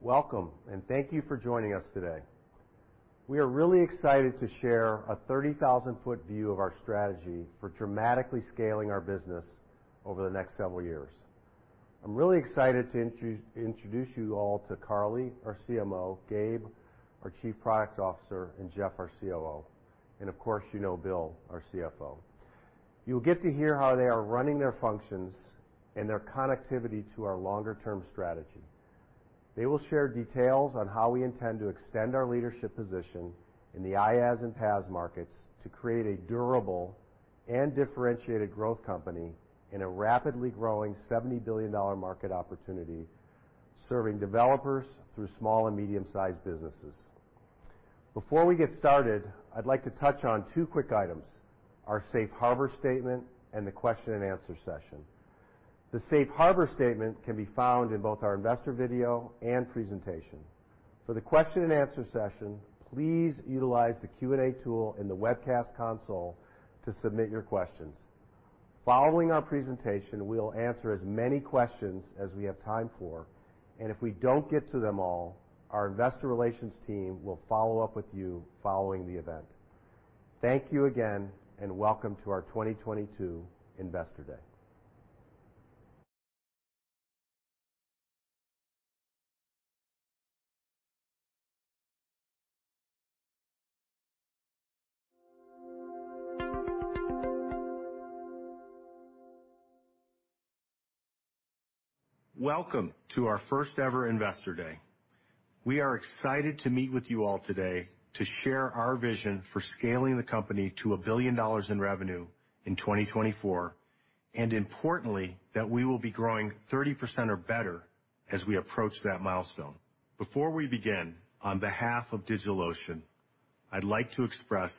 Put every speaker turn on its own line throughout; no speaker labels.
Welcome, and thank you for joining us today. We are really excited to share a 30,000-foot view of our strategy for dramatically scaling our business over the next several years. I'm really excited to introduce you all to Carly, our CMO, Gabe, our Chief Product Officer, and Jeff, our COO. Of course, you know Bill, our CFO. You'll get to hear how they are running their functions and their connectivity to our longer term strategy. They will share details on how we intend to extend our leadership position in the IaaS and PaaS markets to create a durable and differentiated growth company in a rapidly growing $70 billion market opportunity, serving developers through small and medium-sized businesses. Before we get started, I'd like to touch on two quick items, our safe harbor statement and the question and answer session. The safe harbor statement can be found in both our investor video and presentation. For the question and answer session, please utilize the Q&A tool in the webcast console to submit your questions. Following our presentation, we'll answer as many questions as we have time for, and if we don't get to them all, our investor relations team will follow up with you following the event. Thank you again, and welcome to our 2022 Investor Day. Welcome to our first ever Investor Day. We are excited to meet with you all today to share our vision for scaling the company to $1 billion in revenue in 2024, and importantly, that we will be growing 30% or better as we approach that milestone. Before we begin, on behalf of DigitalOcean, I'd like to express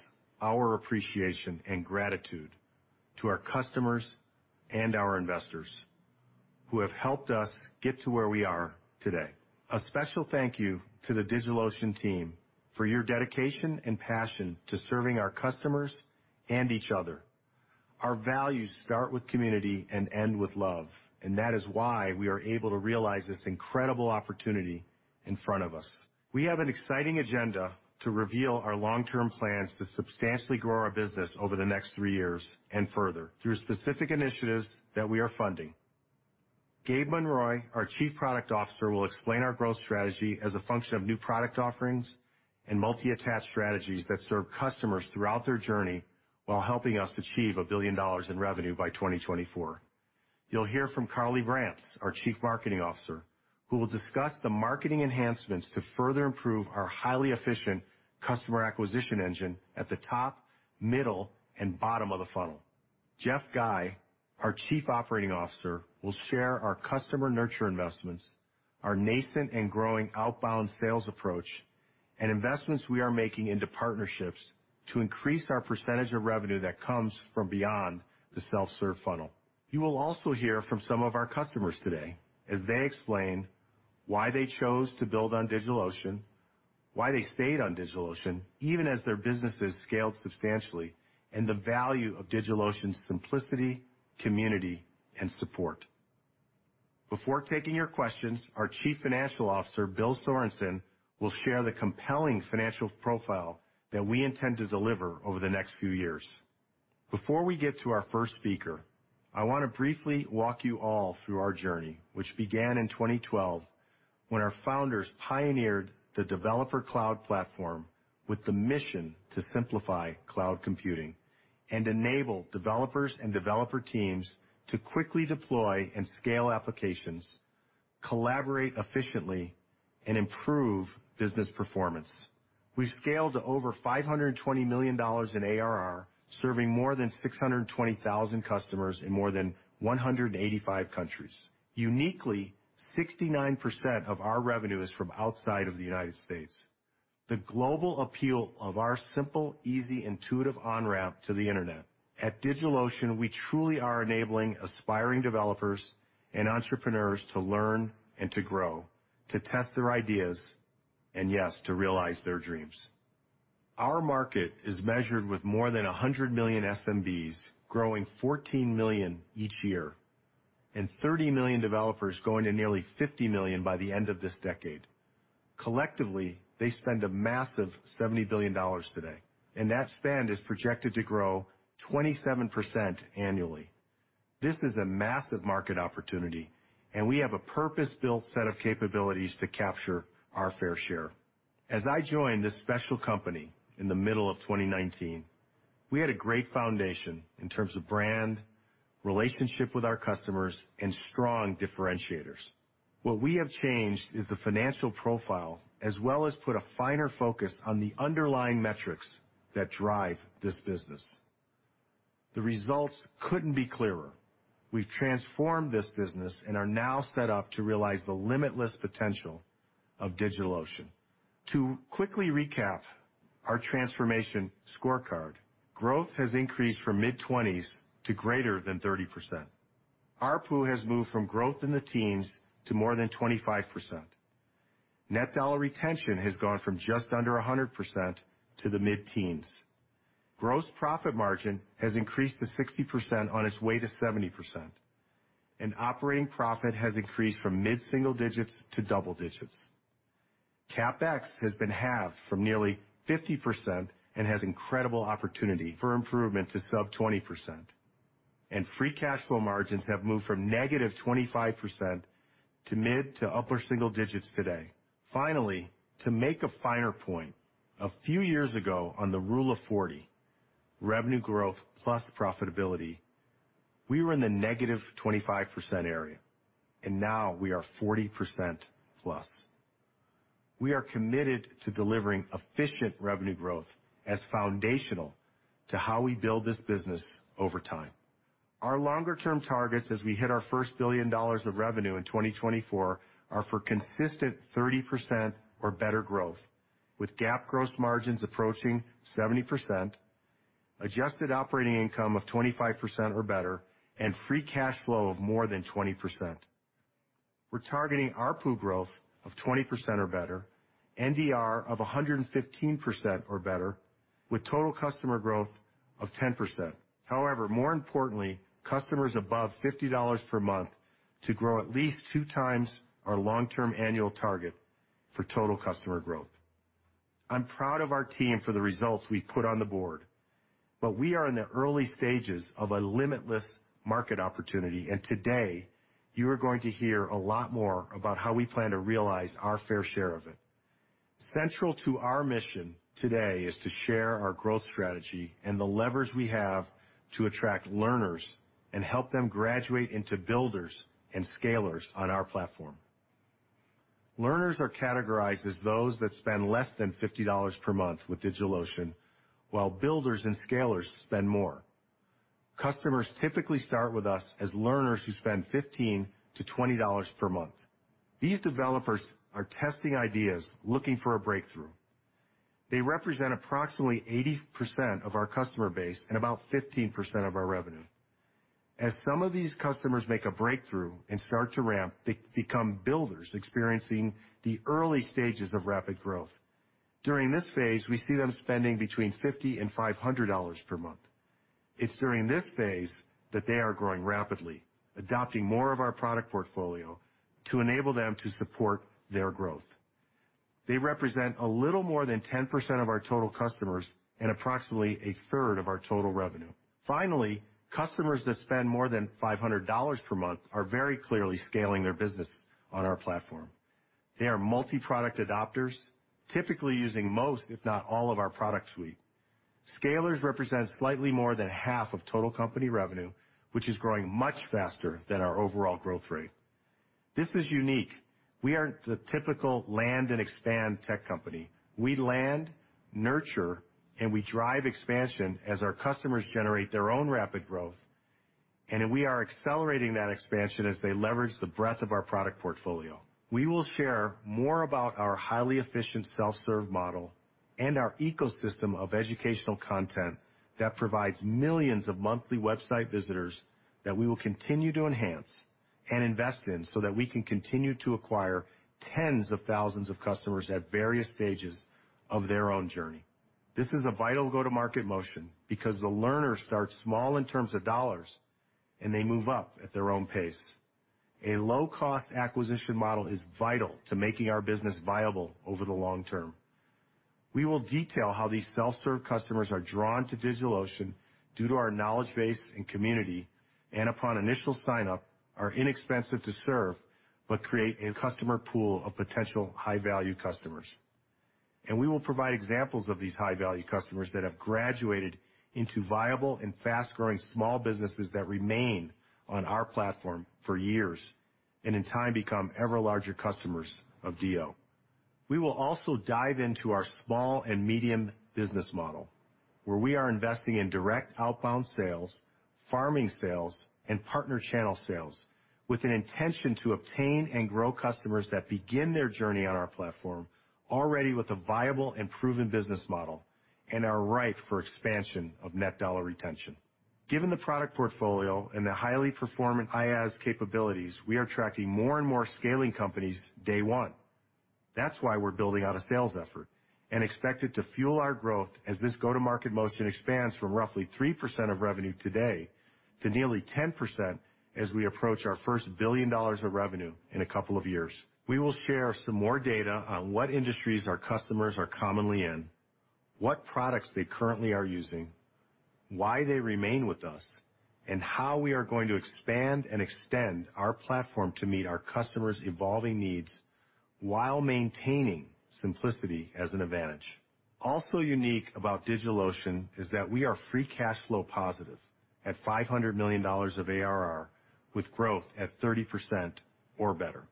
our appreciation and gratitude to our customers and our investors who have helped us get to where we are today. A special thank you to the DigitalOcean team for your dedication and passion to serving our customers and each other. Our values start with community and end with love, and that is why we are able to realize this incredible opportunity in front of us. We have an exciting agenda to reveal our long-term plans to substantially grow our business over the next three years and further through specific initiatives that we are funding. Gabe Monroy, our Chief Product Officer, will explain our growth strategy as a function of new product offerings and multi-attach strategies that serve customers throughout their journey while helping us achieve $1 billion in revenue by 2024. You'll hear from Carly Brantz, our Chief Marketing Officer, who will discuss the marketing enhancements to further improve our highly efficient customer acquisition engine at the top, middle, and bottom of the funnel. Jeff Guy, our Chief Operating Officer, will share our customer nurture investments, our nascent and growing outbound sales approach, and investments we are making into partnerships to increase our percentage of revenue that comes from beyond the self-serve funnel. You will also hear from some of our customers today as they explain why they chose to build on DigitalOcean, why they stayed on DigitalOcean, even as their businesses scaled substantially, and the value of DigitalOcean's simplicity, community, and support. Before taking your questions, our Chief Financial Officer, Bill Sorenson, will share the compelling financial profile that we intend to deliver over the next few years. Before we get to our first speaker, I wanna briefly walk you all through our journey, which began in 2012, when our founders pioneered the developer cloud platform with the mission to simplify cloud computing and enable developers and developer teams to quickly deploy and scale applications, collaborate efficiently, and improve business performance. We've scaled to over $520 million in ARR, serving more than 620,000 customers in more than 185 countries. Uniquely, 69% of our revenue is from outside of the United States. The global appeal of our simple, easy, intuitive on-ramp to the internet. At DigitalOcean, we truly are enabling aspiring developers and entrepreneurs to learn and to grow, to test their ideas, and yes, to realize their dreams. Our market is measured with more than 100 million SMBs growing 14 million each year, and 30 million developers going to nearly 50 million by the end of this decade. Collectively, they spend a massive $70 billion today, and that spend is projected to grow 27% annually. This is a massive market opportunity, and we have a purpose-built set of capabilities to capture our fair share. As I joined this special company in the middle of 2019, we had a great foundation in terms of brand, relationship with our customers, and strong differentiators. What we have changed is the financial profile, as well as put a finer focus on the underlying metrics that drive this business. The results couldn't be clearer. We've transformed this business and are now set up to realize the limitless potential of DigitalOcean. To quickly recap our transformation scorecard, growth has increased from mid-20s% to greater than 30%. ARPU has moved from growth in the teens% to more than 25%. Net dollar retention has gone from just under 100% to the mid-teens%. Gross profit margin has increased to 60% on its way to 70%, and operating profit has increased from mid-single digits% to double digits%. CapEx has been halved from nearly 50% and has incredible opportunity for improvement to sub-20%. Free cash flow margins have moved from -25% to mid- to upper-single digits% today. Finally, to make a finer point, a few years ago on the rule of 40, revenue growth plus profitability, we were in the -25% area, and now we are 40%+. We are committed to delivering efficient revenue growth as foundational to how we build this business over time. Our longer-term targets as we hit our first $1 billion of revenue in 2024 are for consistent 30% or better growth, with GAAP gross margins approaching 70%, adjusted operating income of 25% or better, and free cash flow of more than 20%. We're targeting ARPU growth of 20% or better, NDR of 115% or better, with total customer growth of 10%. However, more importantly, customers above $50 per month to grow at least 2x our long-term annual target for total customer growth. I'm proud of our team for the results we put on the board, but we are in the early stages of a limitless market opportunity. Today, you are going to hear a lot more about how we plan to realize our fair share of it. Central to our mission today is to share our growth strategy and the leverage we have to attract learners and help them graduate into builders and scalers on our platform. Learners are categorized as those that spend less than $50 per month with DigitalOcean, while builders and scalers spend more. Customers typically start with us as learners who spend $15-$20 per month. These developers are testing ideas, looking for a breakthrough. They represent approximately 80% of our customer base and about 15% of our revenue. As some of these customers make a breakthrough and start to ramp, they become builders experiencing the early stages of rapid growth. During this phase, we see them spending between $50 and $500 per month. It's during this phase that they are growing rapidly, adopting more of our product portfolio to enable them to support their growth. They represent a little more than 10% of our total customers and approximately 1/3 of our total revenue. Finally, customers that spend more than $500 per month are very clearly scaling their business on our platform. They are multi-product adopters, typically using most, if not all, of our product suite. Scalers represent slightly more than half of total company revenue, which is growing much faster than our overall growth rate. This is unique. We aren't the typical land and expand tech company. We land, nurture, and we drive expansion as our customers generate their own rapid growth, and then we are accelerating that expansion as they leverage the breadth of our product portfolio. We will share more about our highly efficient self-serve model and our ecosystem of educational content that provides millions of monthly website visitors that we will continue to enhance and invest in so that we can continue to acquire tens of thousands of customers at various stages of their own journey. This is a vital go-to-market motion because the learners start small in terms of dollars and they move up at their own pace. A low-cost acquisition model is vital to making our business viable over the long term. We will detail how these self-serve customers are drawn to DigitalOcean due to our knowledge base and community, and upon initial sign-up, are inexpensive to serve, but create a customer pool of potential high-value customers. We will provide examples of these high-value customers that have graduated into viable and fast-growing small businesses that remain on our platform for years and in time become ever larger customers of DO. We will also dive into our small and medium business model, where we are investing in direct outbound sales, farming sales, and partner channel sales with an intention to obtain and grow customers that begin their journey on our platform already with a viable and proven business model and are ripe for expansion of net dollar retention. Given the product portfolio and the highly performant IaaS capabilities, we are attracting more and more scaling companies day one. That's why we're building out a sales effort and expect it to fuel our growth as this go-to-market motion expands from roughly 3% of revenue today to nearly 10% as we approach our first $1 billion of revenue in a couple of years. We will share some more data on what industries our customers are commonly in, what products they currently are using, why they remain with us, and how we are going to expand and extend our platform to meet our customers' evolving needs while maintaining simplicity as an advantage. Also unique about DigitalOcean is that we are free cash flow positive at $500 million of ARR with growth at 30% or better.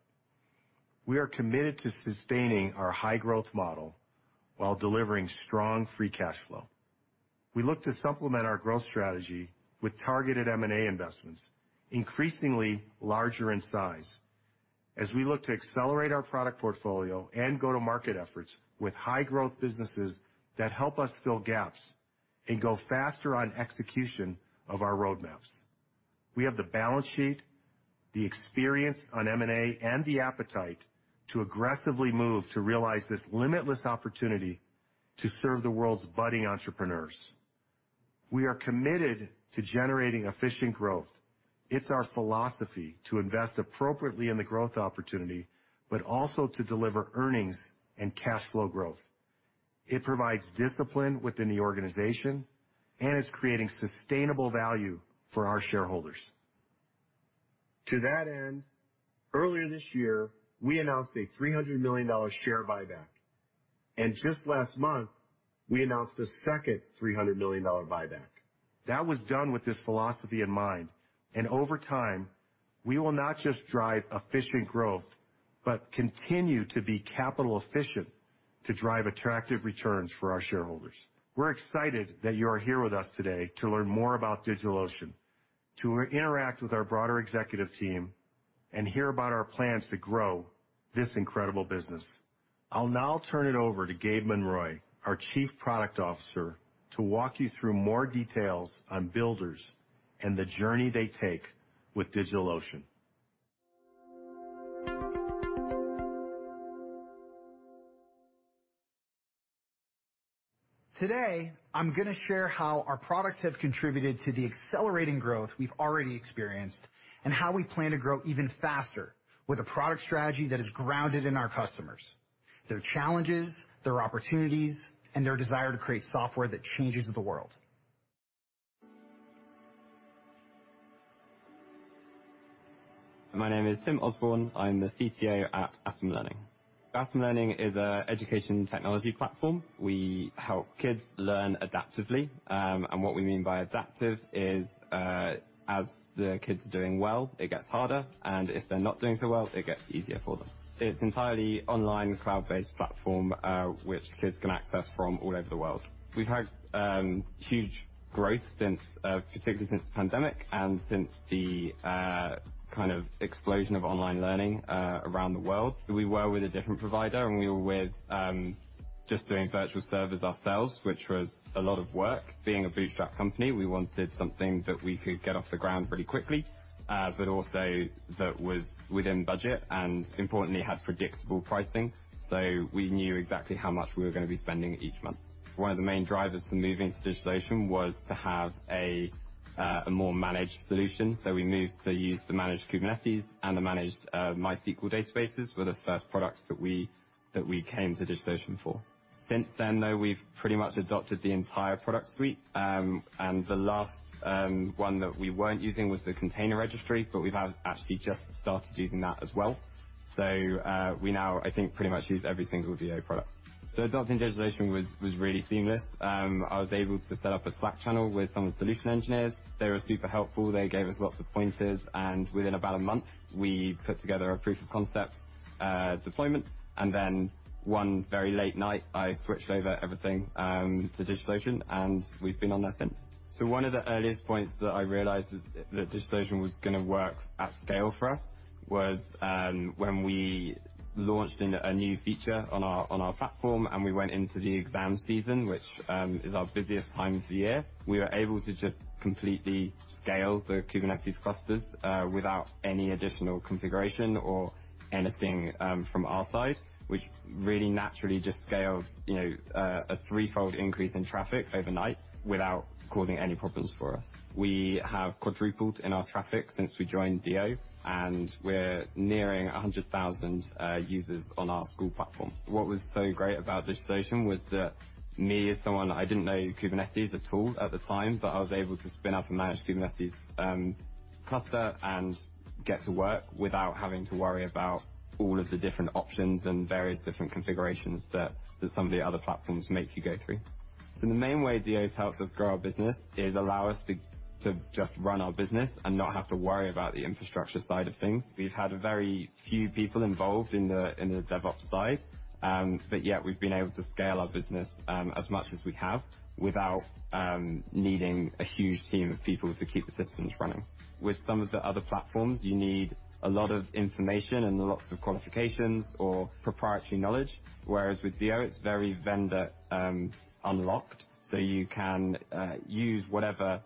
We are committed to sustaining our high-growth model while delivering strong free cash flow. We look to supplement our growth strategy with targeted M&A investments, increasingly larger in size, as we look to accelerate our product portfolio and go-to-market efforts with high-growth businesses that help us fill gaps and go faster on execution of our roadmaps. We have the balance sheet, the experience on M&A, and the appetite to aggressively move to realize this limitless opportunity to serve the world's budding entrepreneurs. We are committed to generating efficient growth. It's our philosophy to invest appropriately in the growth opportunity, but also to deliver earnings and cash flow growth. It provides discipline within the organization, and it's creating sustainable value for our shareholders. To that end, earlier this year, we announced a $300 million share buyback, and just last month, we announced a second $300 million buyback. That was done with this philosophy in mind, and over time, we will not just drive efficient growth, but continue to be capital efficient to drive attractive returns for our shareholders. We're excited that you're here with us today to learn more about DigitalOcean, to interact with our broader executive team and hear about our plans to grow this incredible business. I'll now turn it over to Gabe Monroy, our Chief Product Officer, to walk you through more details on builders and the journey they take with DigitalOcean.
Today, I'm gonna share how our product has contributed to the accelerating growth we've already experienced, and how we plan to grow even faster with a product strategy that is grounded in our customers, their challenges, their opportunities, and their desire to create software that changes the world.
My name is Tim Osborne. I'm the CTO at Atom Learning. Atom Learning is an education technology platform. We help kids learn adaptively. What we mean by adaptive is, as the kids are doing well, it gets harder, and if they're not doing so well, it gets easier for them. It's entirely online cloud-based platform, which kids can access from all over the world. We've had huge growth since, particularly since the pandemic and since the kind of explosion of online learning, around the world. We were with a different provider, and we were with just doing virtual servers ourselves, which was a lot of work. Being a bootstrap company, we wanted something that we could get off the ground pretty quickly, but also that was within budget and importantly had predictable pricing. We knew exactly how much we were gonna be spending each month. One of the main drivers to moving to DigitalOcean was to have a more managed solution. We moved to use the managed Kubernetes and the managed MySQL databases were the first products that we came to DigitalOcean for. Since then, though, we've pretty much adopted the entire product suite. The last one that we weren't using was the container registry, but we've actually just started using that as well. We now I think pretty much use every single DO product. Adopting DigitalOcean was really seamless. I was able to set up a Slack channel with some of the solution engineers. They were super helpful. They gave us lots of pointers, and within about a month, we put together a proof of concept deployment, and then one very late night, I switched over everything to DigitalOcean, and we've been on there since. One of the earliest points that I realized that DigitalOcean was gonna work at scale for us was when we launched a new feature on our platform, and we went into the exam season, which is our busiest time of the year. We were able to just completely scale the Kubernetes clusters without any additional configuration or anything from our side, which really naturally just scaled, you know, a threefold increase in traffic overnight without causing any problems for us. We have quadrupled in our traffic since we joined DO, and we're nearing 100,000 users on our school platform. What was so great about DigitalOcean was that me, as someone, I didn't know Kubernetes at all at the time, but I was able to spin up a managed Kubernetes cluster and get to work without having to worry about all of the different options and various different configurations that that some of the other platforms make you go through. The main way DO has helped us grow our business is allow us to to just run our business and not have to worry about the infrastructure side of things. We've had very few people involved in the in the DevOps side, but yet we've been able to scale our business as much as we have without needing a huge team of people to keep the systems running. With some of the other platforms, you need a lot of information and lots of qualifications or proprietary knowledge. Whereas with DO, it's very vendor unlocked, so you can use whatever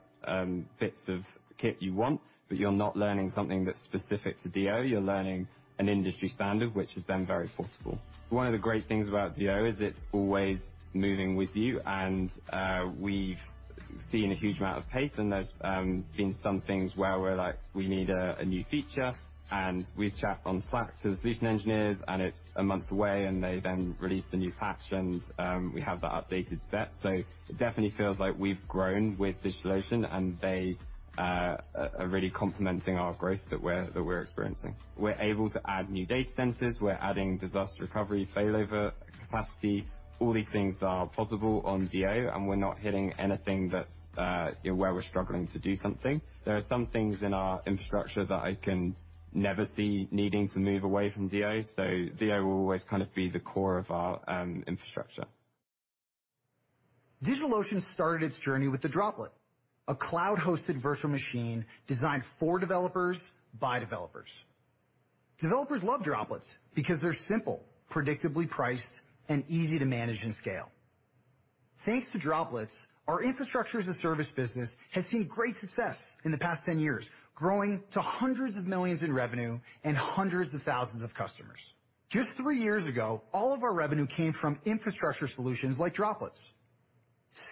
bits of kit you want, but you're not learning something that's specific to DO. You're learning an industry standard, which is then very portable. One of the great things about DO is it's always moving with you and we've seen a huge amount of pace, and there's been some things where we're like, we need a new feature, and we chat on Slack to the solution engineers, and it's a month away, and they then release the new patch, and we have that updated set. It definitely feels like we've grown with DigitalOcean, and they are really complementing our growth that we're experiencing. We're able to add new data centers. We're adding disaster recovery, failover capacity. All these things are possible on DO, and we're not hitting anything that, you know, where we're struggling to do something. There are some things in our infrastructure that I can never see needing to move away from DO. DO will always kind of be the core of our infrastructure.
DigitalOcean started its journey with the Droplet, a cloud-hosted virtual machine designed for developers by developers. Developers love Droplets because they're simple, predictably priced, and easy to manage and scale. Thanks to Droplets, our Infrastructure as a Service business has seen great success in the past 10 years, growing to $hundreds of millions in revenue and hundreds of thousands of customers. Just 3 years ago, all of our revenue came from infrastructure solutions like Droplets.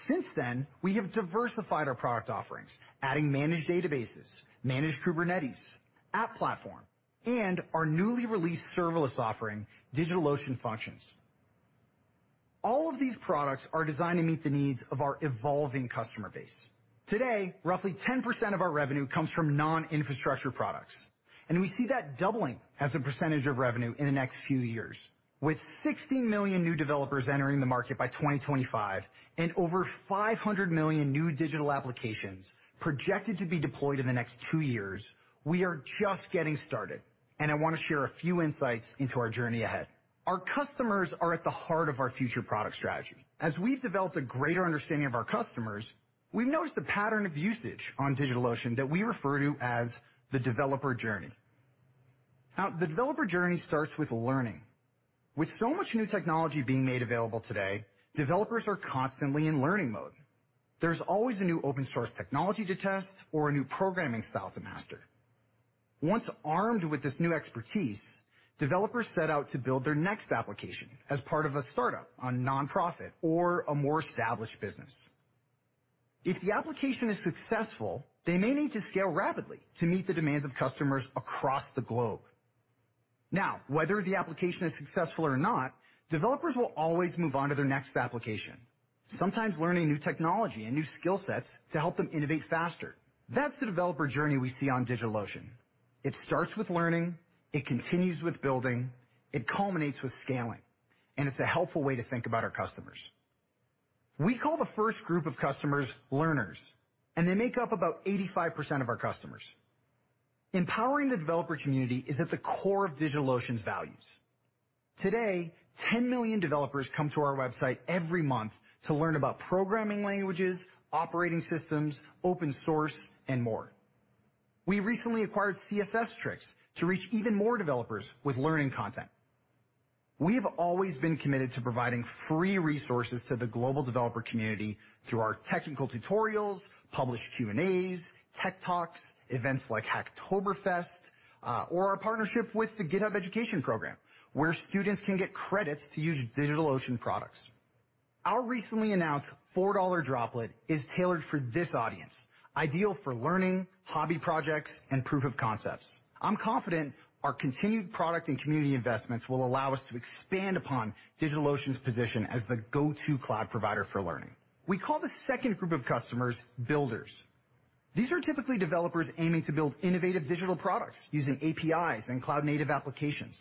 Since then, we have diversified our product offerings, adding managed databases, managed Kubernetes, App Platform, and our newly released serverless offering, DigitalOcean Functions. All of these products are designed to meet the needs of our evolving customer base. Today, roughly 10% of our revenue comes from non-infrastructure products, and we see that doubling as a percentage of revenue in the next few years. With 60 million new developers entering the market by 2025 and over 500 million new digital applications projected to be deployed in the next 2 years, we are just getting started, and I wanna share a few insights into our journey ahead. Our customers are at the heart of our future product strategy. As we've developed a greater understanding of our customers, we've noticed a pattern of usage on DigitalOcean that we refer to as the developer journey. Now, the developer journey starts with learning. With so much new technology being made available today, developers are constantly in learning mode. There's always a new open source technology to test or a new programming style to master. Once armed with this new expertise, developers set out to build their next application as part of a startup, a nonprofit, or a more established business. If the application is successful, they may need to scale rapidly to meet the demands of customers across the globe. Now, whether the application is successful or not, developers will always move on to their next application, sometimes learning new technology and new skill sets to help them innovate faster. That's the developer journey we see on DigitalOcean. It starts with learning. It continues with building. It culminates with scaling, and it's a helpful way to think about our customers. We call the first group of customers learners, and they make up about 85% of our customers. Empowering the developer community is at the core of DigitalOcean's values. Today, 10 million developers come to our website every month to learn about programming languages, operating systems, open source, and more. We recently acquired CSS-Tricks to reach even more developers with learning content. We have always been committed to providing free resources to the global developer community through our technical tutorials, published Q&As, tech talks, events like Hacktoberfest, or our partnership with the GitHub Education Program, where students can get credits to use DigitalOcean products. Our recently announced $4 Droplet is tailored for this audience, ideal for learning, hobby projects, and proof of concepts. I'm confident our continued product and community investments will allow us to expand upon DigitalOcean's position as the go-to cloud provider for learning. We call the second group of customers builders. These are typically developers aiming to build innovative digital products using APIs and cloud native applications.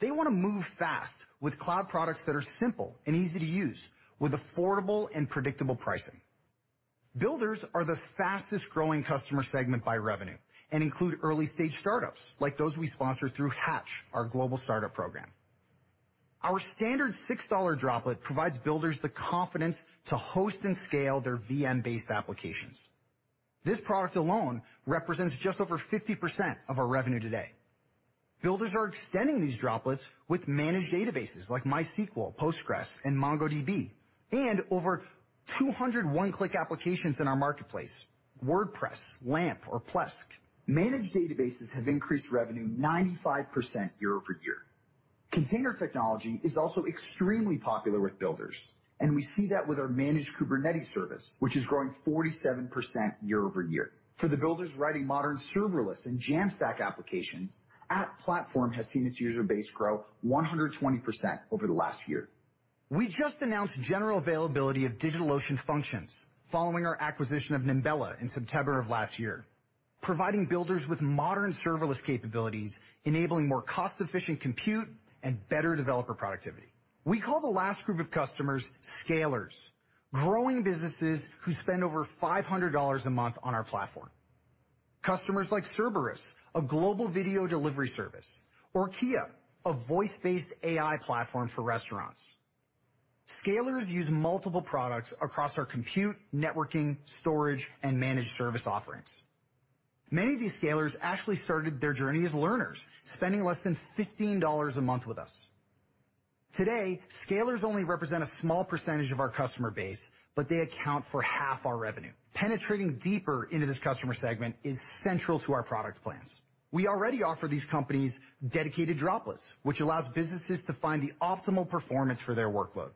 They wanna move fast with cloud products that are simple and easy to use with affordable and predictable pricing. Builders are the fastest-growing customer segment by revenue and include early-stage startups like those we sponsor through Hatch, our global startup program. Our standard $6 Droplet provides builders the confidence to host and scale their VM-based applications. This product alone represents just over 50% of our revenue today. Builders are extending these Droplets with managed databases like MySQL, PostgreSQL, and MongoDB, and over 200 one-click applications in our marketplace, WordPress, LAMP, or Plesk. Managed databases have increased revenue 95% year-over-year. Container technology is also extremely popular with builders, and we see that with our managed Kubernetes service, which is growing 47% year-over-year. For the builders writing modern serverless and Jamstack applications, App Platform has seen its user base grow 120% over the last year. We just announced general availability of DigitalOcean Functions following our acquisition of Nimbella in September of last year, providing builders with modern serverless capabilities, enabling more cost-efficient compute and better developer productivity. We call the last group of customers scalers, growing businesses who spend over $500 a month on our platform. Customers like Servrist, a global video delivery service, or Kea, a voice-based AI platform for restaurants. Scalers use multiple products across our compute, networking, storage, and managed service offerings. Many of these scalers actually started their journey as learners, spending less than $15 a month with us. Today, scalers only represent a small percentage of our customer base, but they account for half our revenue. Penetrating deeper into this customer segment is central to our product plans. We already offer these companies dedicated Droplets, which allows businesses to find the optimal performance for their workload.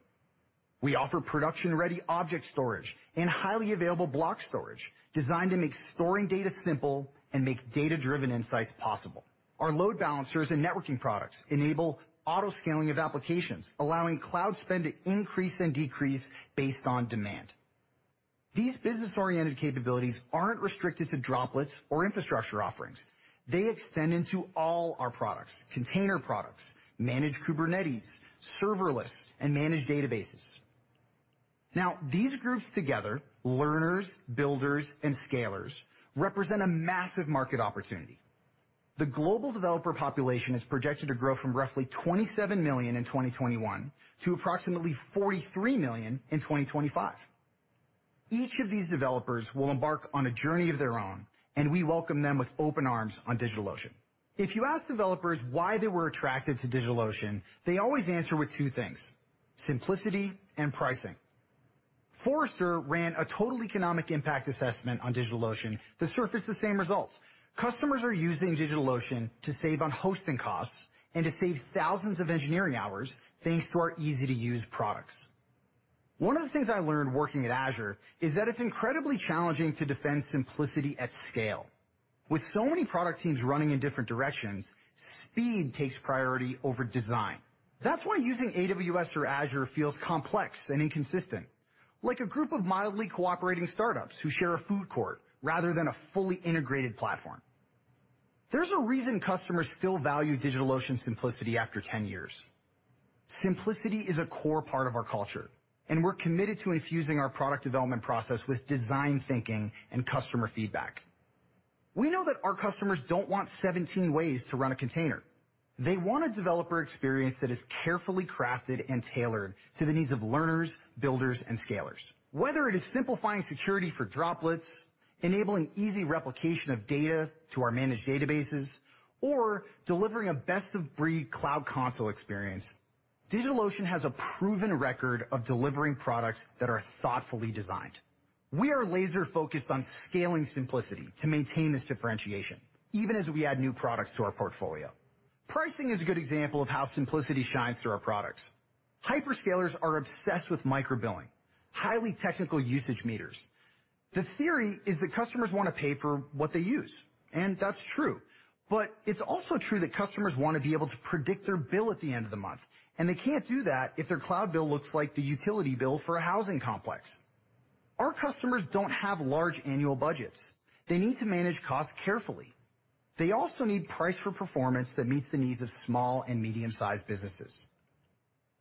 We offer production-ready object storage and highly available block storage designed to make storing data simple and make data-driven insights possible. Our load balancers and networking products enable auto-scaling of applications, allowing cloud spend to increase and decrease based on demand. These business-oriented capabilities aren't restricted to Droplets or infrastructure offerings. They extend into all our products, container products, managed Kubernetes, serverless, and managed databases. Now, these groups together, learners, builders, and scalers, represent a massive market opportunity. The global developer population is projected to grow from roughly 27 million in 2021 to approximately 43 million in 2025. Each of these developers will embark on a journey of their own, and we welcome them with open arms on DigitalOcean. If you ask developers why they were attracted to DigitalOcean, they always answer with two things: simplicity and pricing. Forrester ran a total economic impact assessment on DigitalOcean to surface the same results. Customers are using DigitalOcean to save on hosting costs and to save thousands of engineering hours thanks to our easy-to-use products. One of the things I learned working at Azure is that it's incredibly challenging to defend simplicity at scale. With so many product teams running in different directions, speed takes priority over design. That's why using AWS or Azure feels complex and inconsistent, like a group of mildly cooperating startups who share a food court rather than a fully integrated platform. There's a reason customers still value DigitalOcean simplicity after 10 years. Simplicity is a core part of our culture, and we're committed to infusing our product development process with design thinking and customer feedback. We know that our customers don't want 17 ways to run a container. They want a developer experience that is carefully crafted and tailored to the needs of learners, builders, and scalers. Whether it is simplifying security for Droplets, enabling easy replication of data to our managed databases, or delivering a best of breed cloud console experience, DigitalOcean has a proven record of delivering products that are thoughtfully designed. We are laser-focused on scaling simplicity to maintain this differentiation, even as we add new products to our portfolio. Pricing is a good example of how simplicity shines through our products. Hyperscalers are obsessed with micro billing, highly technical usage meters. The theory is that customers wanna pay for what they use, and that's true. But it's also true that customers wanna be able to predict their bill at the end of the month, and they can't do that if their cloud bill looks like the utility bill for a housing complex. Our customers don't have large annual budgets. They need to manage costs carefully. They also need price for performance that meets the needs of small and medium-sized businesses.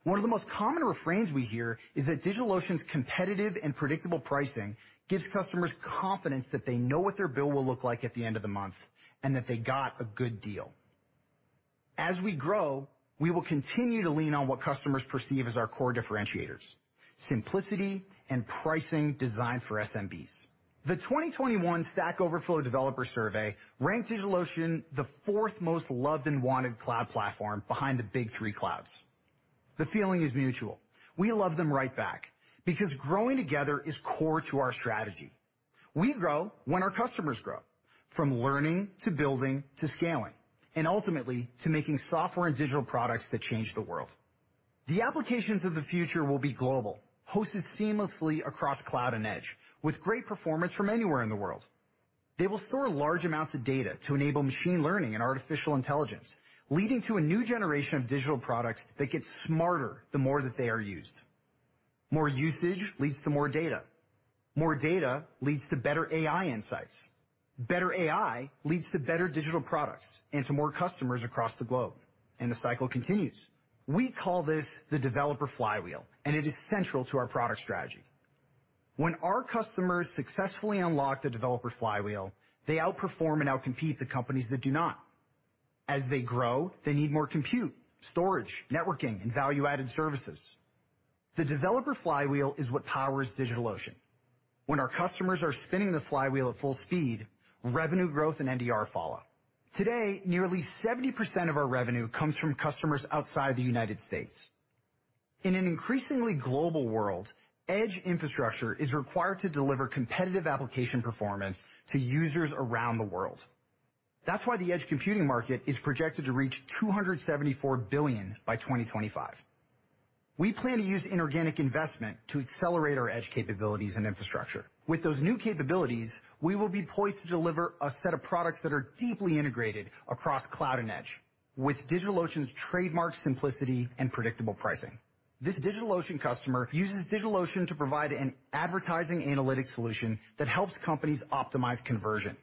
One of the most common refrains we hear is that DigitalOcean's competitive and predictable pricing gives customers confidence that they know what their bill will look like at the end of the month and that they got a good deal. As we grow, we will continue to lean on what customers perceive as our core differentiators, simplicity and pricing designed for SMBs. The 2021 Stack Overflow Developer Survey ranked DigitalOcean the fourth most loved and wanted cloud platform behind the big three clouds. The feeling is mutual. We love them right back because growing together is core to our strategy. We grow when our customers grow, from learning to building to scaling, and ultimately, to making software and digital products that change the world. The applications of the future will be global, hosted seamlessly across cloud and edge with great performance from anywhere in the world. They will store large amounts of data to enable machine learning and artificial intelligence, leading to a new generation of digital products that get smarter the more that they are used. More usage leads to more data. More data leads to better AI insights. Better AI leads to better digital products and to more customers across the globe, and the cycle continues. We call this the developer flywheel, and it is central to our product strategy. When our customers successfully unlock the developer flywheel, they outperform and outcompete the companies that do not. As they grow, they need more compute, storage, networking, and value-added services. The developer flywheel is what powers DigitalOcean. When our customers are spinning the flywheel at full speed, revenue growth and NDR follow. Today, nearly 70% of our revenue comes from customers outside the United States. In an increasingly global world, edge infrastructure is required to deliver competitive application performance to users around the world. That's why the edge computing market is projected to reach $274 billion by 2025. We plan to use inorganic investment to accelerate our edge capabilities and infrastructure. With those new capabilities, we will be poised to deliver a set of products that are deeply integrated across cloud and edge with DigitalOcean's trademark simplicity and predictable pricing. This DigitalOcean customer uses DigitalOcean to provide an advertising analytics solution that helps companies optimize conversion.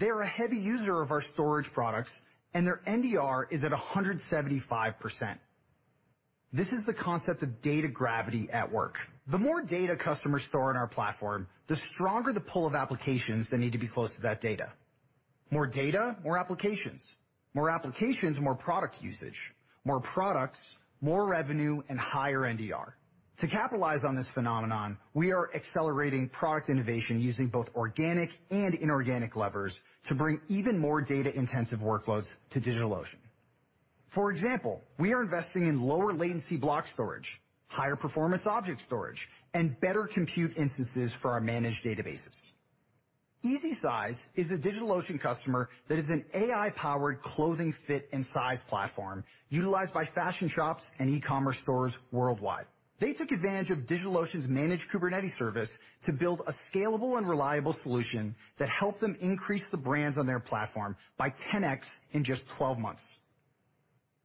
They are a heavy user of our storage products, and their NDR is at 175%. This is the concept of data gravity at work. The more data customers store in our platform, the stronger the pull of applications that need to be close to that data. More data, more applications. More applications, more product usage. More products, more revenue and higher NDR. To capitalize on this phenomenon, we are accelerating product innovation using both organic and inorganic levers to bring even more data-intensive workloads to DigitalOcean. For example, we are investing in lower latency block storage, higher performance object storage, and better compute instances for our managed databases. EasySize is a DigitalOcean customer that is an AI-powered clothing fit and size platform utilized by fashion shops and ecommerce stores worldwide. They took advantage of DigitalOcean's managed Kubernetes service to build a scalable and reliable solution that helped them increase the brands on their platform by 10x in just 12 months.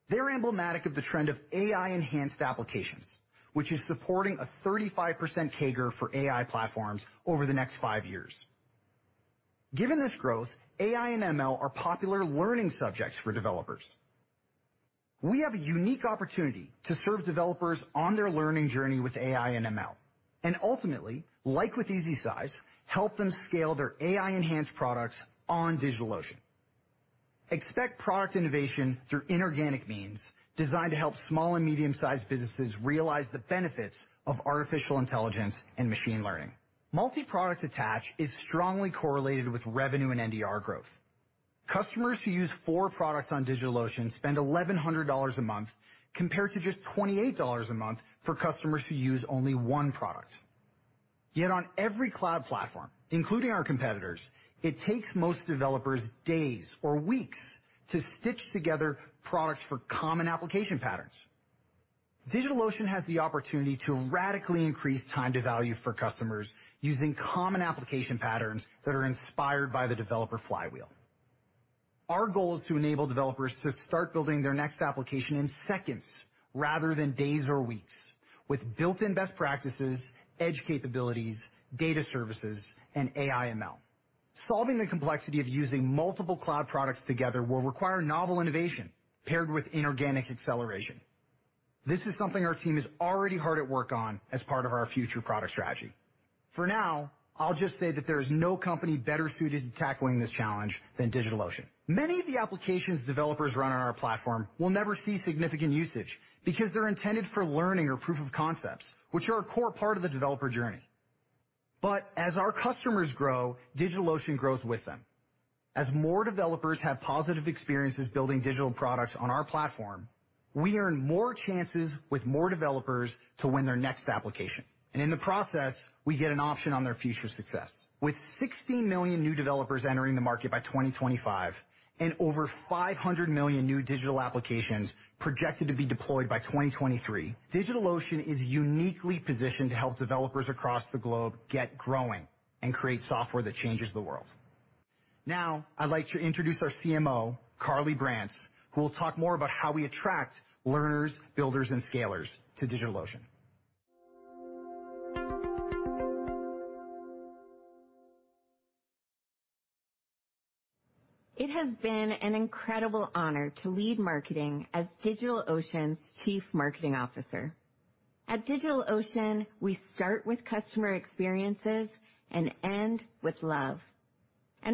They're emblematic of the trend of AI-enhanced applications, which is supporting a 35% CAGR for AI platforms over the next 5 years. Given this growth, AI and ML are popular learning subjects for developers. We have a unique opportunity to serve developers on their learning journey with AI and ML, and ultimately, like with EasySize, help them scale their AI-enhanced products on DigitalOcean. Expect product innovation through inorganic means designed to help small and medium-sized businesses realize the benefits of artificial intelligence and machine learning. Multi-product attach is strongly correlated with revenue and NDR growth. Customers who use four products on DigitalOcean spend $1,100 a month, compared to just $28 a month for customers who use only one product. Yet on every cloud platform, including our competitors, it takes most developers days or weeks to stitch together products for common application patterns. DigitalOcean has the opportunity to radically increase time to value for customers using common application patterns that are inspired by the developer flywheel. Our goal is to enable developers to start building their next application in seconds rather than days or weeks with built-in best practices, edge capabilities, data services, and AI/ML. Solving the complexity of using multiple cloud products together will require novel innovation paired with inorganic acceleration. This is something our team is already hard at work on as part of our future product strategy. For now, I'll just say that there is no company better suited to tackling this challenge than DigitalOcean. Many of the applications developers run on our platform will never see significant usage because they're intended for learning or proof of concepts, which are a core part of the developer journey. As our customers grow, DigitalOcean grows with them. As more developers have positive experiences building digital products on our platform, we earn more chances with more developers to win their next application, and in the process, we get an option on their future success. With 16 million new developers entering the market by 2025 and over 500 million new digital applications projected to be deployed by 2023, DigitalOcean is uniquely positioned to help developers across the globe get growing and create software that changes the world. Now, I'd like to introduce our CMO, Carly Brantz, who will talk more about how we attract learners, builders, and scalers to DigitalOcean.
It has been an incredible honor to lead marketing as DigitalOcean's Chief Marketing Officer. At DigitalOcean, we start with customer experiences and end with love.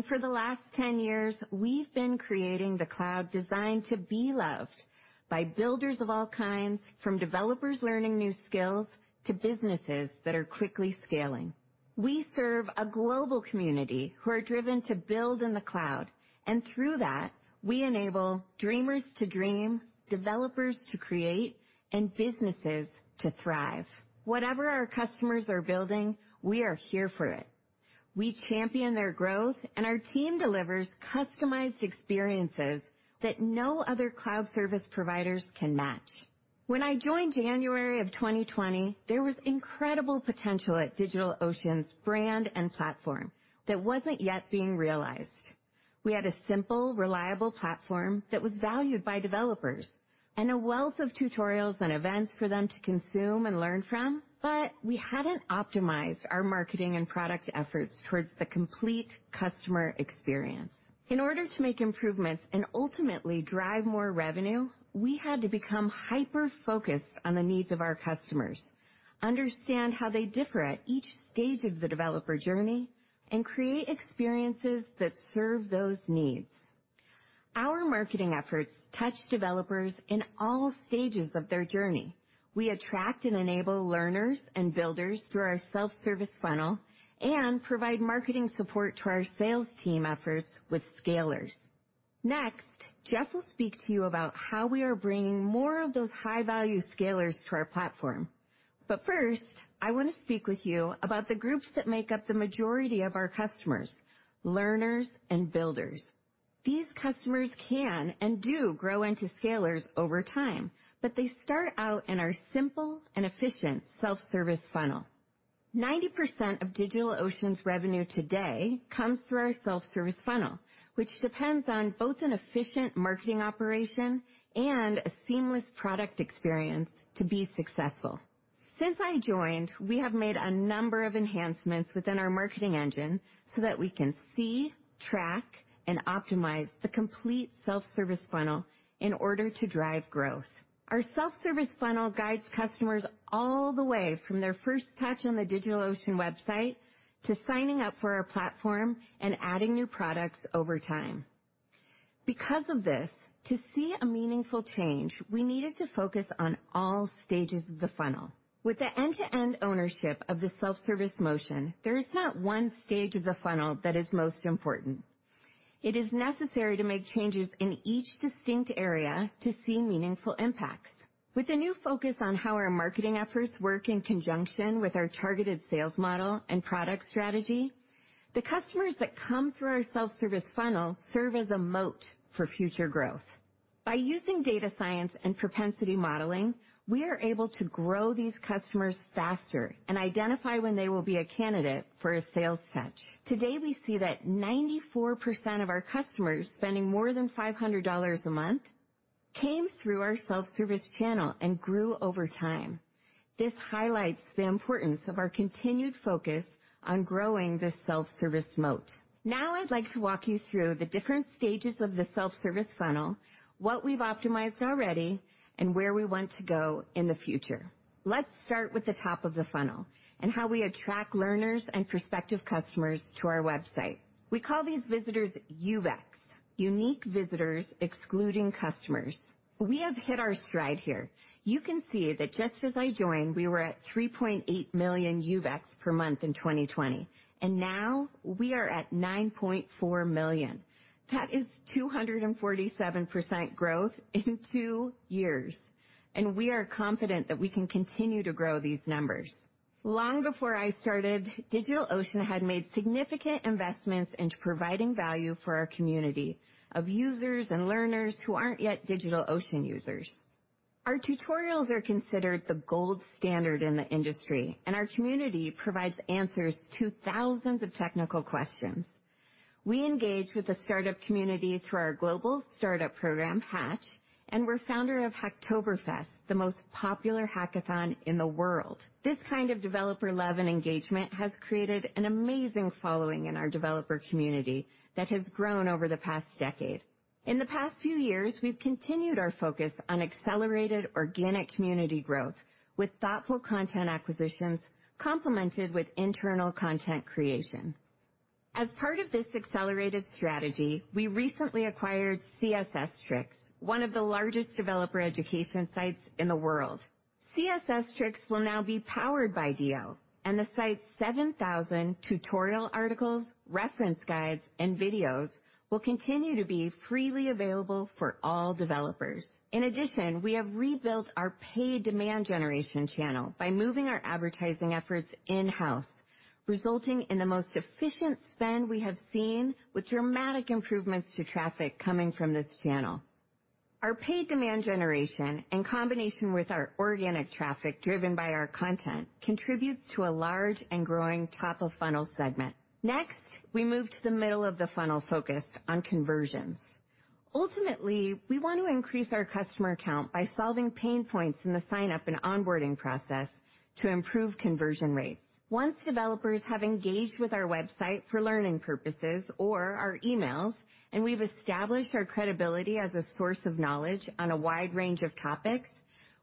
For the last ten years, we've been creating the cloud designed to be loved by builders of all kinds, from developers learning new skills to businesses that are quickly scaling. We serve a global community who are driven to build in the cloud, and through that, we enable dreamers to dream, developers to create, and businesses to thrive. Whatever our customers are building, we are here for it. We champion their growth, and our team delivers customized experiences that no other cloud service providers can match. When I joined January of 2020, there was incredible potential at DigitalOcean's brand and platform that wasn't yet being realized. We had a simple, reliable platform that was valued by developers and a wealth of tutorials and events for them to consume and learn from, but we hadn't optimized our marketing and product efforts toward the complete customer experience. In order to make improvements and ultimately drive more revenue, we had to become hyper-focused on the needs of our customers, understand how they differ at each stage of the developer journey, and create experiences that serve those needs. Our marketing efforts touch developers in all stages of their journey. We attract and enable learners and builders through our self-service funnel and provide marketing support to our sales team efforts with scalers. Next, Jeff will speak to you about how we are bringing more of those high-value scalers to our platform. First, I want to speak with you about the groups that make up the majority of our customers, learners and builders. These customers can and do grow into scalers over time, but they start out in our simple and efficient self-service funnel. 90% of DigitalOcean's revenue today comes through our self-service funnel, which depends on both an efficient marketing operation and a seamless product experience to be successful. Since I joined, we have made a number of enhancements within our marketing engine so that we can see, track, and optimize the complete self-service funnel in order to drive growth. Our self-service funnel guides customers all the way from their first touch on the DigitalOcean website to signing up for our platform and adding new products over time. Because of this, to see a meaningful change, we needed to focus on all stages of the funnel. With the end-to-end ownership of the self-service motion, there is not one stage of the funnel that is most important. It is necessary to make changes in each distinct area to see meaningful impacts. With the new focus on how our marketing efforts work in conjunction with our targeted sales model and product strategy, the customers that come through our self-service funnel serve as a moat for future growth. By using data science and propensity modeling, we are able to grow these customers faster and identify when they will be a candidate for a sales touch. Today, we see that 94% of our customers spending more than $500 a month came through our self-service channel and grew over time. This highlights the importance of our continued focus on growing this self-service moat. Now I'd like to walk you through the different stages of the self-service funnel, what we've optimized already, and where we want to go in the future. Let's start with the top of the funnel and how we attract learners and prospective customers to our website. We call these visitors UVEX. Unique visitors excluding customers. We have hit our stride here. You can see that just as I joined, we were at 3.8 million UVEX per month in 2020, and now we are at 9.4 million. That is 247% growth in two years, and we are confident that we can continue to grow these numbers. Long before I started, DigitalOcean had made significant investments into providing value for our community of users and learners who aren't yet DigitalOcean users. Our tutorials are considered the gold standard in the industry, and our community provides answers to thousands of technical questions. We engage with the startup community through our global startup program, Hatch, and we're founder of Hacktoberfest, the most popular hackathon in the world. This kind of developer love and engagement has created an amazing following in our developer community that has grown over the past decade. In the past few years, we've continued our focus on accelerated organic community growth with thoughtful content acquisitions complemented with internal content creation. As part of this accelerated strategy, we recently acquired CSS-Tricks, one of the largest developer education sites in the world. CSS-Tricks will now be powered by DO, and the site's 7,000 tutorial articles, reference guides, and videos will continue to be freely available for all developers. In addition, we have rebuilt our paid demand generation channel by moving our advertising efforts in-house, resulting in the most efficient spend we have seen with dramatic improvements to traffic coming from this channel. Our paid demand generation, in combination with our organic traffic driven by our content, contributes to a large and growing top-of-funnel segment. Next, we move to the middle of the funnel focused on conversions. Ultimately, we want to increase our customer count by solving pain points in the sign-up and onboarding process to improve conversion rates. Once developers have engaged with our website for learning purposes or our emails, and we've established our credibility as a source of knowledge on a wide range of topics,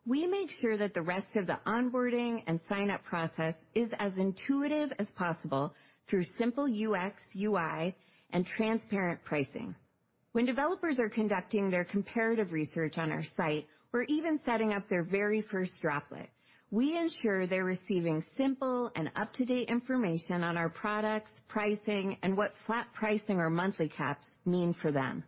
we make sure that the rest of the onboarding and sign-up process is as intuitive as possible through simple UX, UI, and transparent pricing. When developers are conducting their comparative research on our site or even setting up their very first Droplet, we ensure they're receiving simple and up-to-date information on our products, pricing, and what flat pricing or monthly caps mean for them.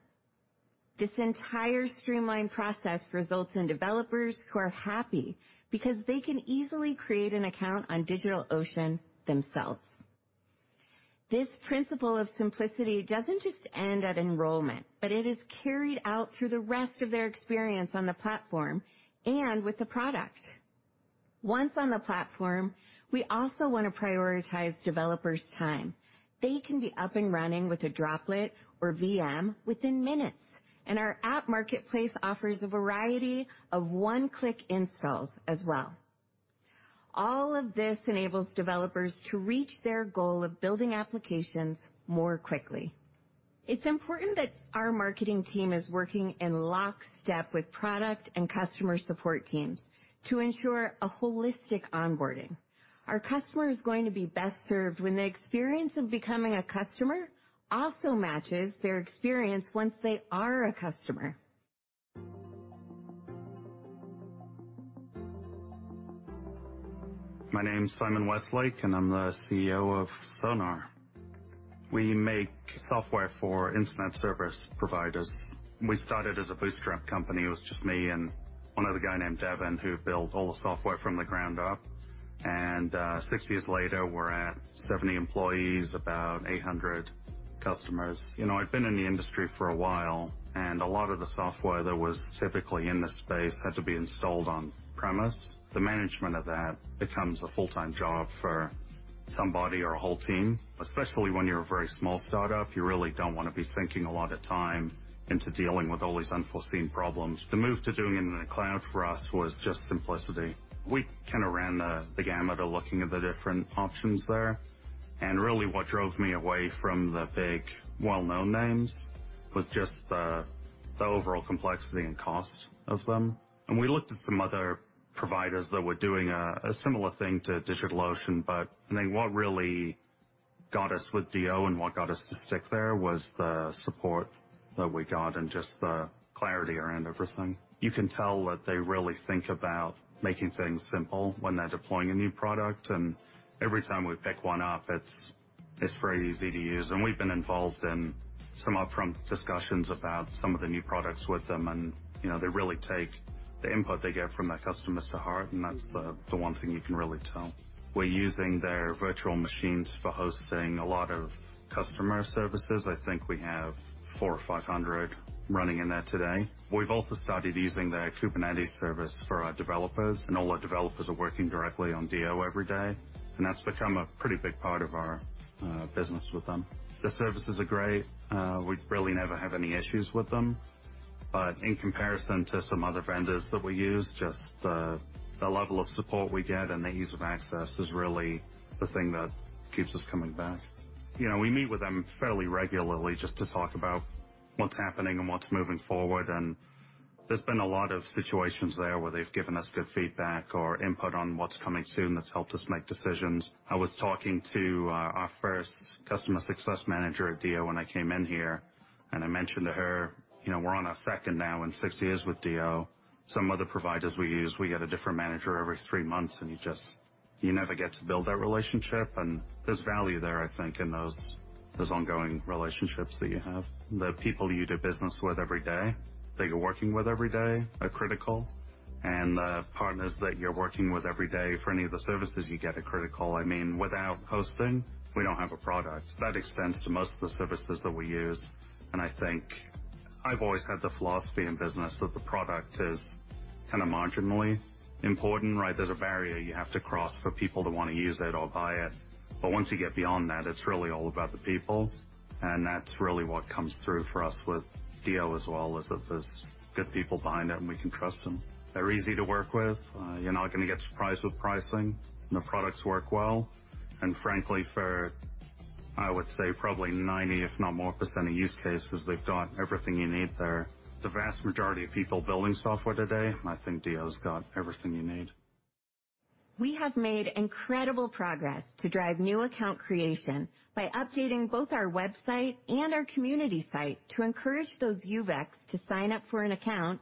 This entire streamlined process results in developers who are happy because they can easily create an account on DigitalOcean themselves. This principle of simplicity doesn't just end at enrollment, but it is carried out through the rest of their experience on the platform and with the product. Once on the platform, we also want to prioritize developers' time. They can be up and running with a Droplet or VM within minutes, and our app marketplace offers a variety of one-click installs as well. All of this enables developers to reach their goal of building applications more quickly. It's important that our marketing team is working in lockstep with product and customer support teams to ensure a holistic onboarding. Our customer is going to be best served when the experience of becoming a customer also matches their experience once they are a customer.
My name is Simon Westlake, and I'm the CEO of Sonar. We make software for internet service providers. We started as a bootstrap company. It was just me and one other guy named Devin, who built all the software from the ground up. Six years later, we're at 70 employees, about 800 customers. You know, I'd been in the industry for a while, and a lot of the software that was typically in this space had to be installed on-premises. The management of that becomes a full-time job for somebody or a whole team. Especially when you're a very small start-up, you really don't want to be sinking a lot of time into dealing with all these unforeseen problems. The move to doing it in the cloud for us was just simplicity. We kind of ran the gamut of looking at the different options there. Really what drove me away from the big, well-known names was just the overall complexity and cost of them. We looked at some other providers that were doing a similar thing to DigitalOcean, but I think what really got us with DO and what got us to stick there was the support that we got and just the clarity around everything. You can tell that they really think about making things simple when they're deploying a new product, and every time we pick one up, it's very easy to use. We've been involved in some upfront discussions about some of the new products with them, and, you know, they really take the input they get from their customers to heart, and that's the one thing you can really tell. We're using their virtual machines for hosting a lot of customer services. I think we have 400 or 500 running in there today. We've also started using their Kubernetes service for our developers, and all our developers are working directly on DO every day, and that's become a pretty big part of our business with them. The services are great. We really never have any issues with them. In comparison to some other vendors that we use, just the level of support we get and the ease of access is really the thing that keeps us coming back. You know, we meet with them fairly regularly just to talk about what's happening and what's moving forward, and there's been a lot of situations there where they've given us good feedback or input on what's coming soon that's helped us make decisions. I was talking to our first customer success manager at DO when I came in here, and I mentioned to her, you know, we're on our second now in six years with DO. Some other providers we use, we get a different manager every three months, and you just never get to build that relationship. There's value there, I think, in those ongoing relationships that you have. The people you do business with every day, that you're working with every day are critical, and the partners that you're working with every day for any of the services you get are critical. I mean, without hosting, we don't have a product. That extends to most of the services that we use, and I think I've always had the philosophy in business that the product is kind of marginally important, right? There's a barrier you have to cross for people to wanna use it or buy it. Once you get beyond that, it's really all about the people, and that's really what comes through for us with Dio as well, is that there's good people behind it and we can trust them. They're easy to work with. You're not gonna get surprised with pricing, and the products work well. Frankly, for, I would say, probably 90% if not more of use cases, they've got everything you need there. The vast majority of people building software today, I think Dio's got everything you need.
We have made incredible progress to drive new account creation by updating both our website and our community site to encourage those users to sign up for an account,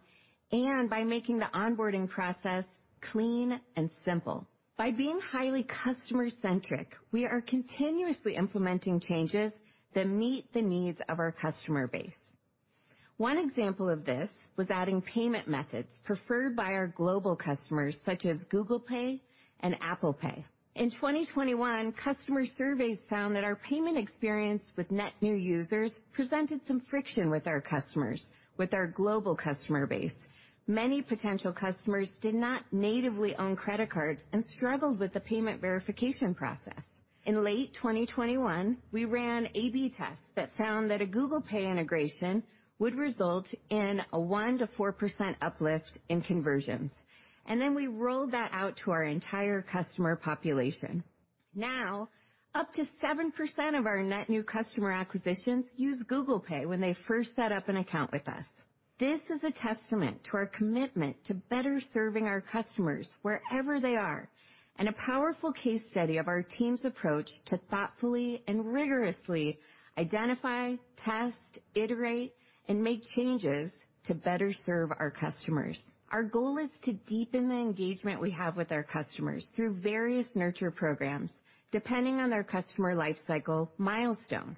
and by making the onboarding process clean and simple. By being highly customer-centric, we are continuously implementing changes that meet the needs of our customer base. One example of this was adding payment methods preferred by our global customers such as Google Pay and Apple Pay. In 2021, customer surveys found that our payment experience with net new users presented some friction with our customers, with our global customer base. Many potential customers did not natively own credit cards and struggled with the payment verification process. In late 2021, we ran A/B tests that found that a Google Pay integration would result in a 1%-4% uplift in conversions. We rolled that out to our entire customer population. Now, up to 7% of our net new customer acquisitions use Google Pay when they first set up an account with us. This is a testament to our commitment to better serving our customers wherever they are, and a powerful case study of our team's approach to thoughtfully and rigorously identify, test, iterate, and make changes to better serve our customers. Our goal is to deepen the engagement we have with our customers through various nurture programs, depending on their customer lifecycle milestone.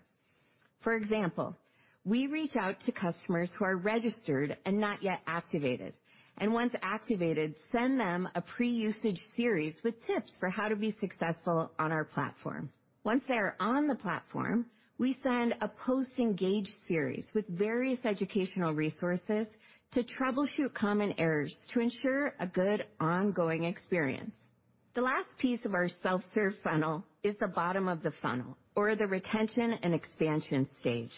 For example, we reach out to customers who are registered and not yet activated, and once activated, send them a pre-usage series with tips for how to be successful on our platform. Once they are on the platform, we send a post-engage series with various educational resources to troubleshoot common errors to ensure a good ongoing experience. The last piece of our self-serve funnel is the bottom of the funnel or the retention and expansion stage.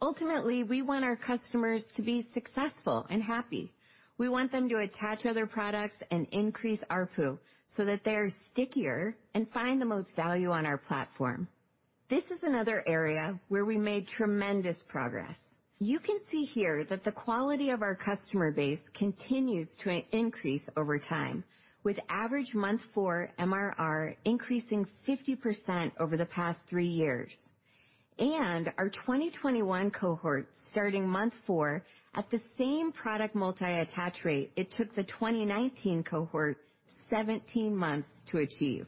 Ultimately, we want our customers to be successful and happy. We want them to attach other products and increase ARPU, so that they are stickier and find the most value on our platform. This is another area where we made tremendous progress. You can see here that the quality of our customer base continues to increase over time, with average month 4 MRR increasing 50% over the past three years. Our 2021 cohort starting month 4 at the same product multi-attach rate it took the 2019 cohort 17 months to achieve.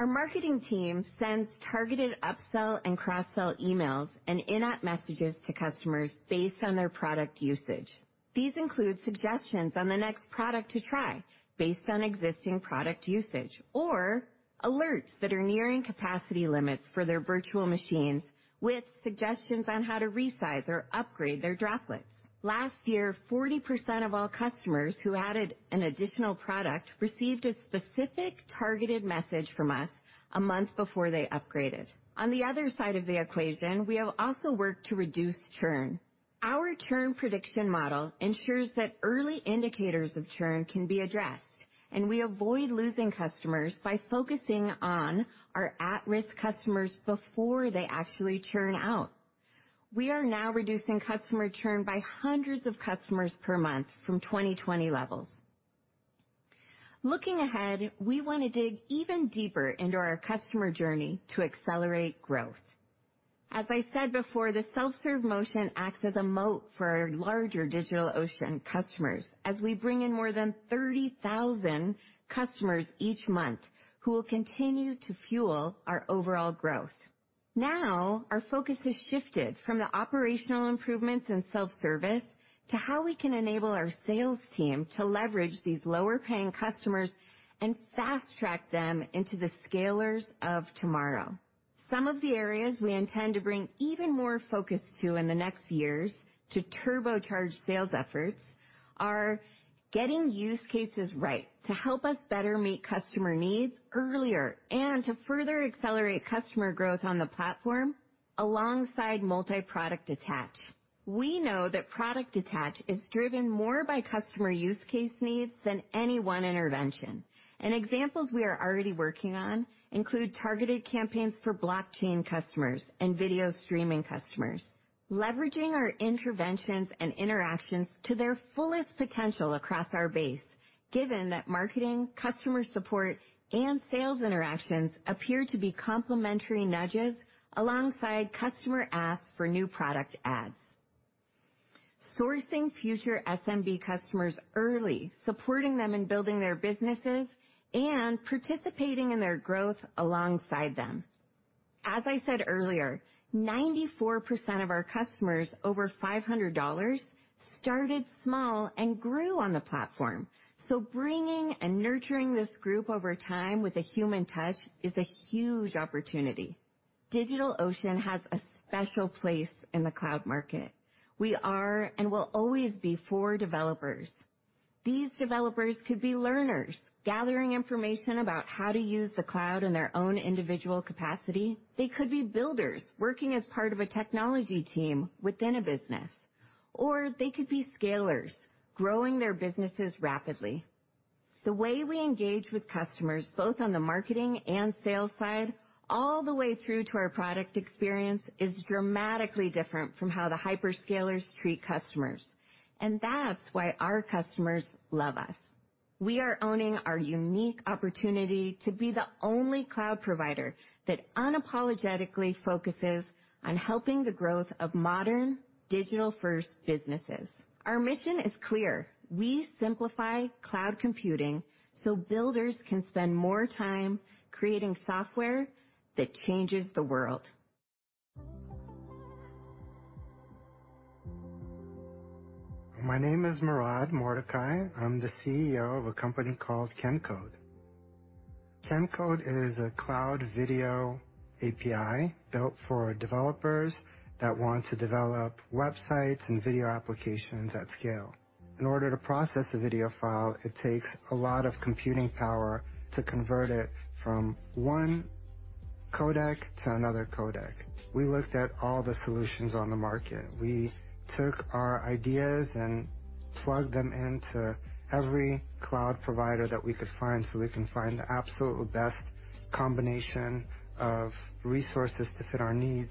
Our marketing team sends targeted upsell and cross-sell emails and in-app messages to customers based on their product usage. These include suggestions on the next product to try based on existing product usage or alerts that are nearing capacity limits for their virtual machines, with suggestions on how to resize or upgrade their Droplets. Last year, 40% of all customers who added an additional product received a specific targeted message from us a month before they upgraded. On the other side of the equation, we have also worked to reduce churn. Our churn prediction model ensures that early indicators of churn can be addressed, and we avoid losing customers by focusing on our at-risk customers before they actually churn out. We are now reducing customer churn by hundreds of customers per month from 2020 levels. Looking ahead, we wanna dig even deeper into our customer journey to accelerate growth. As I said before, the self-serve motion acts as a moat for our larger DigitalOcean customers as we bring in more than 30,000 customers each month who will continue to fuel our overall growth. Now, our focus has shifted from the operational improvements in self-service to how we can enable our sales team to leverage these lower-paying customers and fast-track them into the scalers of tomorrow. Some of the areas we intend to bring even more focus to in the next years to turbocharge sales efforts are getting use cases right to help us better meet customer needs earlier and to further accelerate customer growth on the platform alongside multi-product attach. We know that product attach is driven more by customer use case needs than any one intervention. Examples we are already working on include targeted campaigns for blockchain customers and video streaming customers. Leveraging our interventions and interactions to their fullest potential across our base. Given that marketing, customer support, and sales interactions appear to be complementary nudges alongside customer asks for new product ads. Sourcing future SMB customers early, supporting them in building their businesses, and participating in their growth alongside them. As I said earlier, 94% of our customers over $500 started small and grew on the platform. Bringing and nurturing this group over time with a human touch is a huge opportunity. DigitalOcean has a special place in the cloud market. We are, and will always be, for developers. These developers could be learners, gathering information about how to use the cloud in their own individual capacity. They could be builders, working as part of a technology team within a business. Or they could be scalers, growing their businesses rapidly. The way we engage with customers, both on the marketing and sales side, all the way through to our product experience, is dramatically different from how the hyperscalers treat customers, and that's why our customers love us. We are owning our unique opportunity to be the only cloud provider that unapologetically focuses on helping the growth of modern digital-first businesses. Our mission is clear: We simplify cloud computing so builders can spend more time creating software that changes the world.
My name is Morad Mordehay. I'm the CEO of a company called Camcloud. Camcloud is a cloud video API built for developers that want to develop websites and video applications at scale. In order to process a video file, it takes a lot of computing power to convert it from one codec to another codec. We looked at all the solutions on the market. We took our ideas and plugged them into every cloud provider that we could find so we can find the absolute best combination of resources to fit our needs,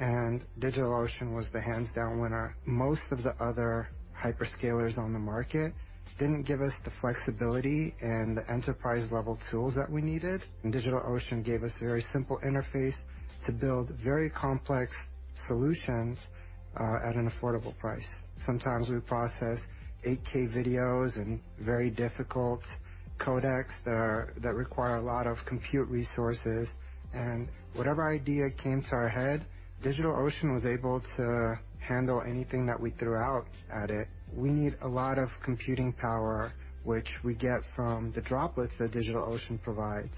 and DigitalOcean was the hands down winner. Most of the other hyperscalers on the market didn't give us the flexibility and the enterprise level tools that we needed, and DigitalOcean gave us a very simple interface to build very complex solutions, at an affordable price. Sometimes we process 8K videos and very difficult codecs that require a lot of compute resources. Whatever idea came to our head, DigitalOcean was able to handle anything that we threw out at it. We need a lot of computing power, which we get from the Droplets that DigitalOcean provides.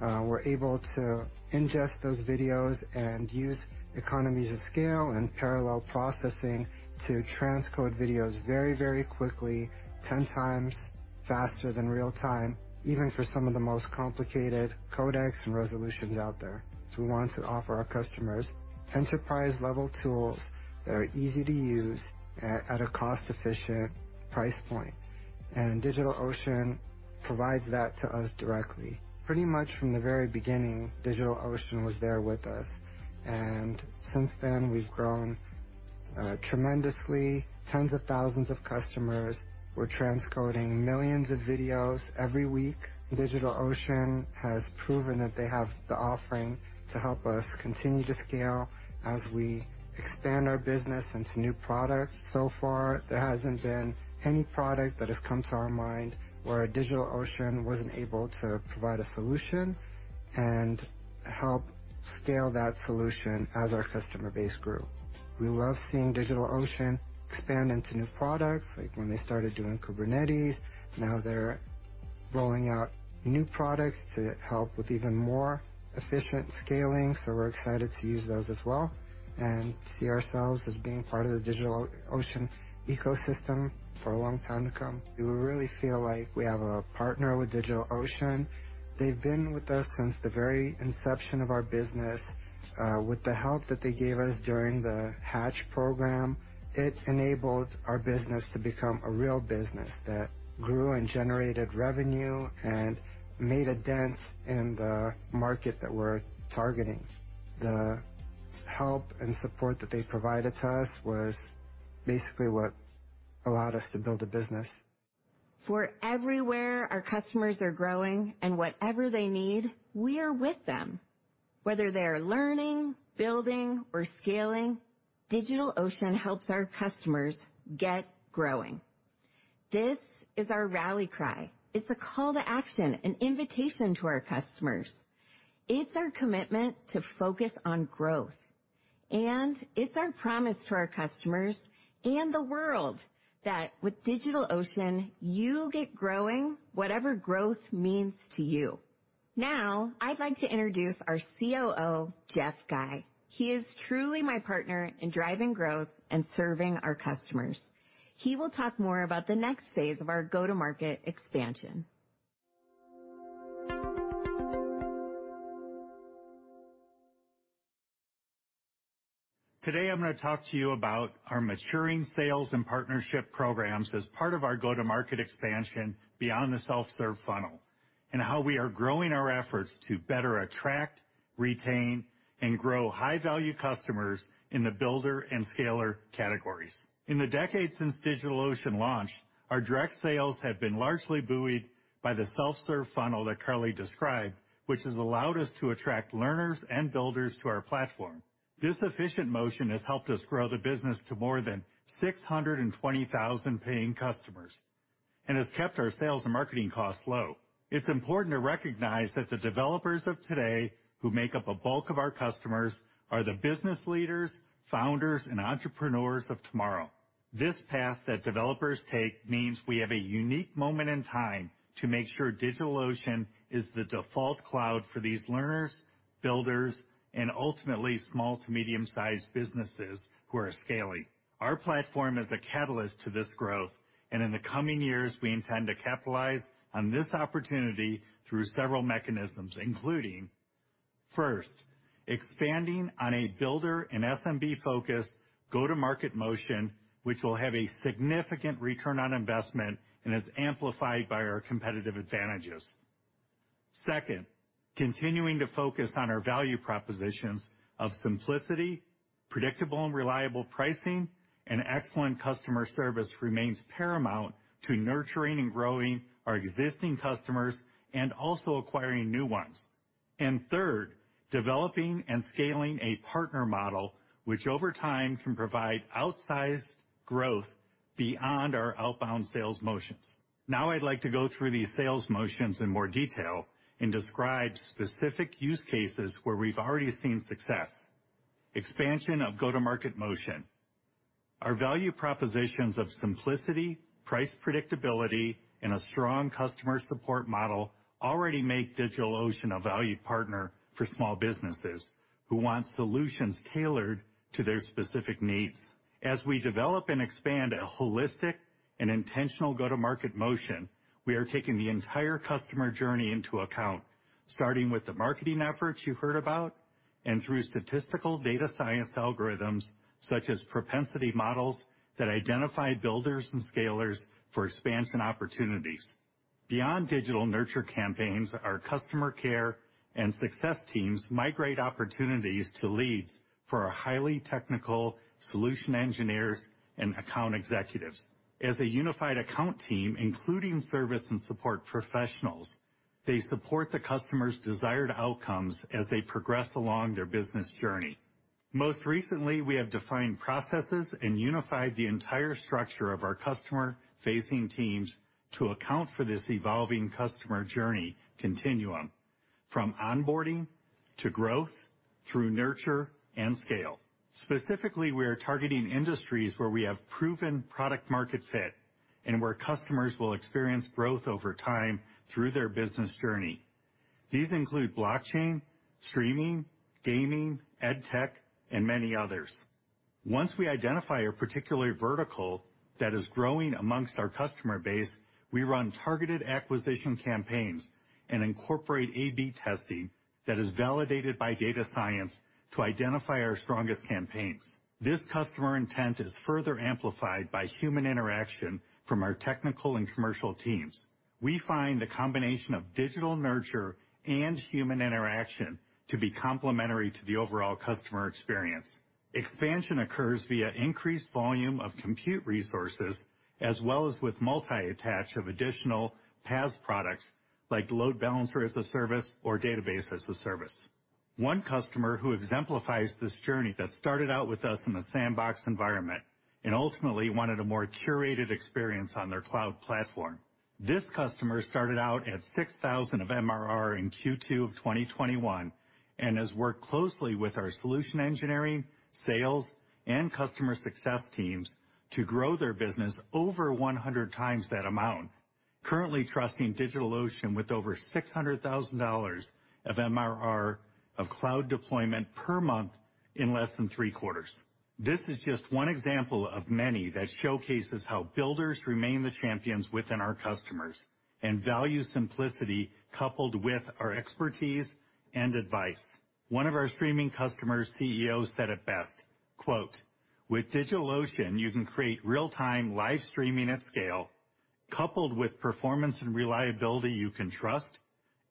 We're able to ingest those videos and use economies of scale and parallel processing to transcode videos very, very quickly, 10x faster than real time, even for some of the most complicated codecs and resolutions out there. We want to offer our customers enterprise-level tools that are easy to use at a cost-efficient price point. DigitalOcean provides that to us directly. Pretty much from the very beginning, DigitalOcean was there with us, and since then, we've grown tremendously, tens of thousands of customers. We're transcoding millions of videos every week. DigitalOcean has proven that they have the offering to help us continue to scale as we expand our business into new products. So far, there hasn't been any product that has come to our mind where DigitalOcean wasn't able to provide a solution and help scale that solution as our customer base grew. We love seeing DigitalOcean expand into new products, like when they started doing Kubernetes. Now they're rolling out new products to help with even more efficient scaling. We're excited to use those as well and see ourselves as being part of the DigitalOcean ecosystem for a long time to come. We really feel like we have a partner with DigitalOcean. They've been with us since the very inception of our business. With the help that they gave us during the Hatch program, it enabled our business to become a real business that grew and generated revenue and made a dent in the market that we're targeting. The help and support that they provided to us was basically what allowed us to build a business.
For everywhere our customers are growing and whatever they need, we are with them. Whether they are learning, building, or scaling, DigitalOcean helps our customers get growing. This is our rally cry. It's a call to action, an invitation to our customers. It's our commitment to focus on growth, and it's our promise to our customers and the world that with DigitalOcean you'll get growing, whatever growth means to you. Now, I'd like to introduce our COO, Jeffrey Guy. He is truly my partner in driving growth and serving our customers. He will talk more about the next phase of our go-to-market expansion.
Today, I'm gonna talk to you about our maturing sales and partnership programs as part of our go-to-market expansion beyond the self-serve funnel. How we are growing our efforts to better attract, retain, and grow high-value customers in the builder and scaler categories. In the decades since DigitalOcean launched, our direct sales have been largely buoyed by the self-serve funnel that Carly described, which has allowed us to attract learners and builders to our platform. This efficient motion has helped us grow the business to more than 620,000 paying customers, and has kept our sales and marketing costs low. It's important to recognize that the developers of today, who make up a bulk of our customers, are the business leaders, founders, and entrepreneurs of tomorrow. This path that developers take means we have a unique moment in time to make sure DigitalOcean is the default cloud for these learners, builders, and ultimately small to medium-sized businesses who are scaling. Our platform is a catalyst to this growth, and in the coming years, we intend to capitalize on this opportunity through several mechanisms, including, first, expanding on a builder and SMB-focused go-to-market motion, which will have a significant return on investment and is amplified by our competitive advantages. Second, continuing to focus on our value propositions of simplicity, predictable and reliable pricing, and excellent customer service remains paramount to nurturing and growing our existing customers and also acquiring new ones. Third, developing and scaling a partner model, which over time can provide outsized growth beyond our outbound sales motions. Now I'd like to go through these sales motions in more detail and describe specific use cases where we've already seen success. Expansion of go-to-market motion. Our value propositions of simplicity, price predictability, and a strong customer support model already make DigitalOcean a valued partner for small businesses who want solutions tailored to their specific needs. As we develop and expand a holistic and intentional go-to-market motion, we are taking the entire customer journey into account, starting with the marketing efforts you heard about and through statistical data science algorithms such as propensity models that identify builders and scalers for expansion opportunities. Beyond digital nurture campaigns, our customer care and success teams migrate opportunities to leads for our highly technical solution engineers and account executives. As a unified account team, including service and support professionals, they support the customer's desired outcomes as they progress along their business journey. Most recently, we have defined processes and unified the entire structure of our customer-facing teams to account for this evolving customer journey continuum from onboarding to growth through nurture and scale. Specifically, we are targeting industries where we have proven product market fit and where customers will experience growth over time through their business journey. These include blockchain, streaming, gaming, ed tech, and many others. Once we identify a particular vertical that is growing amongst our customer base, we run targeted acquisition campaigns and incorporate A/B testing that is validated by data science to identify our strongest campaigns. This customer intent is further amplified by human interaction from our technical and commercial teams. We find the combination of digital nurture and human interaction to be complementary to the overall customer experience. Expansion occurs via increased volume of compute resources as well as with multi-attach of additional PaaS products like load balancer as a service or database as a service. One customer who exemplifies this journey that started out with us in the sandbox environment and ultimately wanted a more curated experience on their cloud platform. This customer started out at $6,000 of MRR in Q2 of 2021 and has worked closely with our solution engineering, sales, and customer success teams to grow their business over 100 times that amount, currently trusting DigitalOcean with over $600,000 of MRR of cloud deployment per month in less than three quarters. This is just one example of many that showcases how builders remain the champions within our customers and value simplicity coupled with our expertise and advice. One of our streaming customer's CEO said it best, quote, "With DigitalOcean, you can create real-time live streaming at scale coupled with performance and reliability you can trust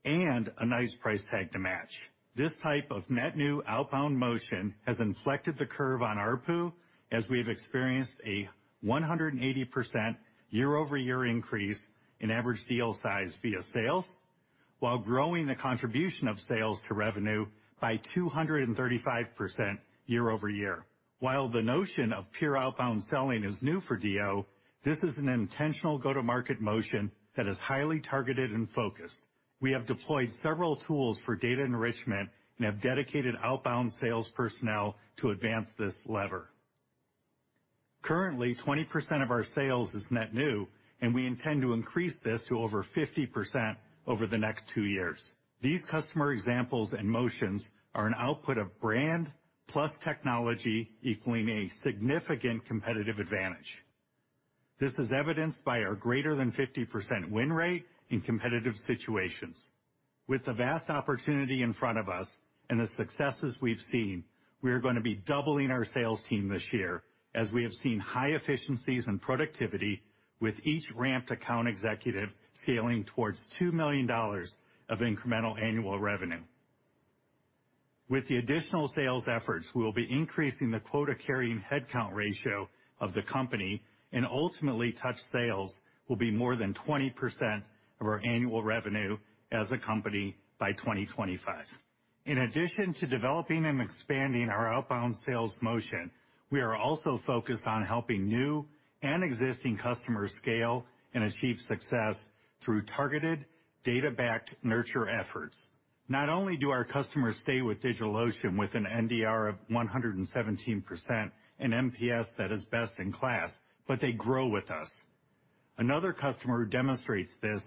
and a nice price tag to match." This type of net new outbound motion has inflected the curve on ARPU as we have experienced a 180% year-over-year increase in average deal size via sales while growing the contribution of sales to revenue by 235% year-over-year. While the notion of pure outbound selling is new for DO, this is an intentional go-to-market motion that is highly targeted and focused. We have deployed several tools for data enrichment and have dedicated outbound sales personnel to advance this lever. Currently, 20% of our sales is net new, and we intend to increase this to over 50% over the next two years. These customer examples and motions are an output of brand plus technology equaling a significant competitive advantage. This is evidenced by our greater than 50% win rate in competitive situations. With the vast opportunity in front of us and the successes we've seen, we are gonna be doubling our sales team this year, as we have seen high efficiencies in productivity with each ramped account executive scaling towards $2 million of incremental annual revenue. With the additional sales efforts, we will be increasing the quota-carrying headcount ratio of the company, and ultimately, touch sales will be more than 20% of our annual revenue as a company by 2025. In addition to developing and expanding our outbound sales motion, we are also focused on helping new and existing customers scale and achieve success through targeted data-backed nurture efforts. Not only do our customers stay with DigitalOcean with an NDR of 117% and NPS that is best in class, but they grow with us. Another customer who demonstrates this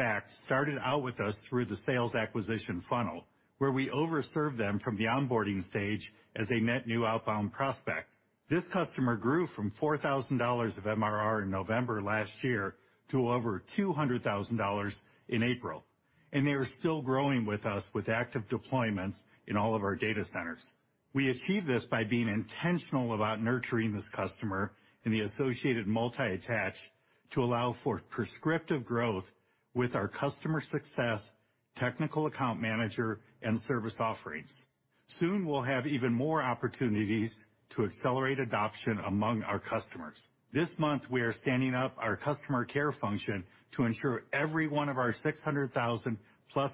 fact started out with us through the sales acquisition funnel, where we overserved them from the onboarding stage as a net new outbound prospect. This customer grew from $4,000 of MRR in November last year to over $200,000 in April, and they are still growing with us with active deployments in all of our data centers. We achieve this by being intentional about nurturing this customer and the associated multi-attach to allow for prescriptive growth with our customer success, technical account manager, and service offerings. Soon, we'll have even more opportunities to accelerate adoption among our customers. This month, we are standing up our customer care function to ensure every one of our 600,000+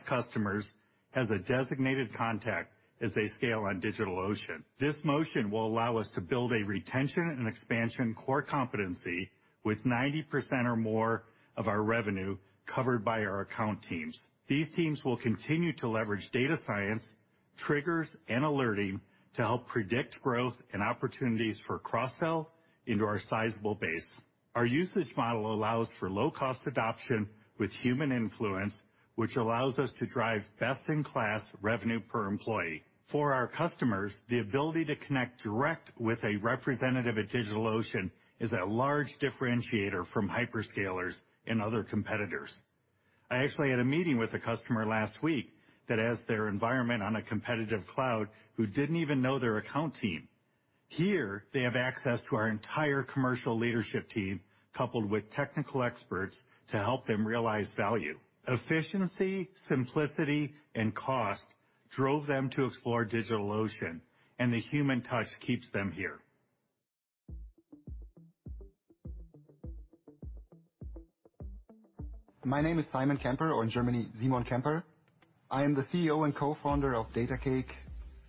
customers has a designated contact as they scale on DigitalOcean. This motion will allow us to build a retention and expansion core competency with 90% or more of our revenue covered by our account teams. These teams will continue to leverage data science, triggers, and alerting to help predict growth and opportunities for cross-sell into our sizable base. Our usage model allows for low cost adoption with human influence, which allows us to drive best in class revenue per employee. For our customers, the ability to connect direct with a representative at DigitalOcean is a large differentiator from hyperscalers and other competitors. I actually had a meeting with a customer last week that has their environment on a competitive cloud who didn't even know their account team. Here, they have access to our entire commercial leadership team, coupled with technical experts to help them realize value. Efficiency, simplicity, and cost drove them to explore DigitalOcean, and the human touch keeps them here.
My name is Simon Kemper, or in Germany, Simon Kemper. I am the CEO and co-founder of Datacake.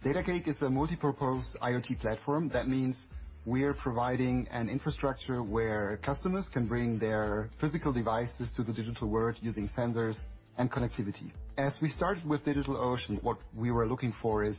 Datacake is a multipurpose IoT platform. That means we are providing an infrastructure where customers can bring their physical devices to the digital world using sensors and connectivity. As we started with DigitalOcean, what we were looking for is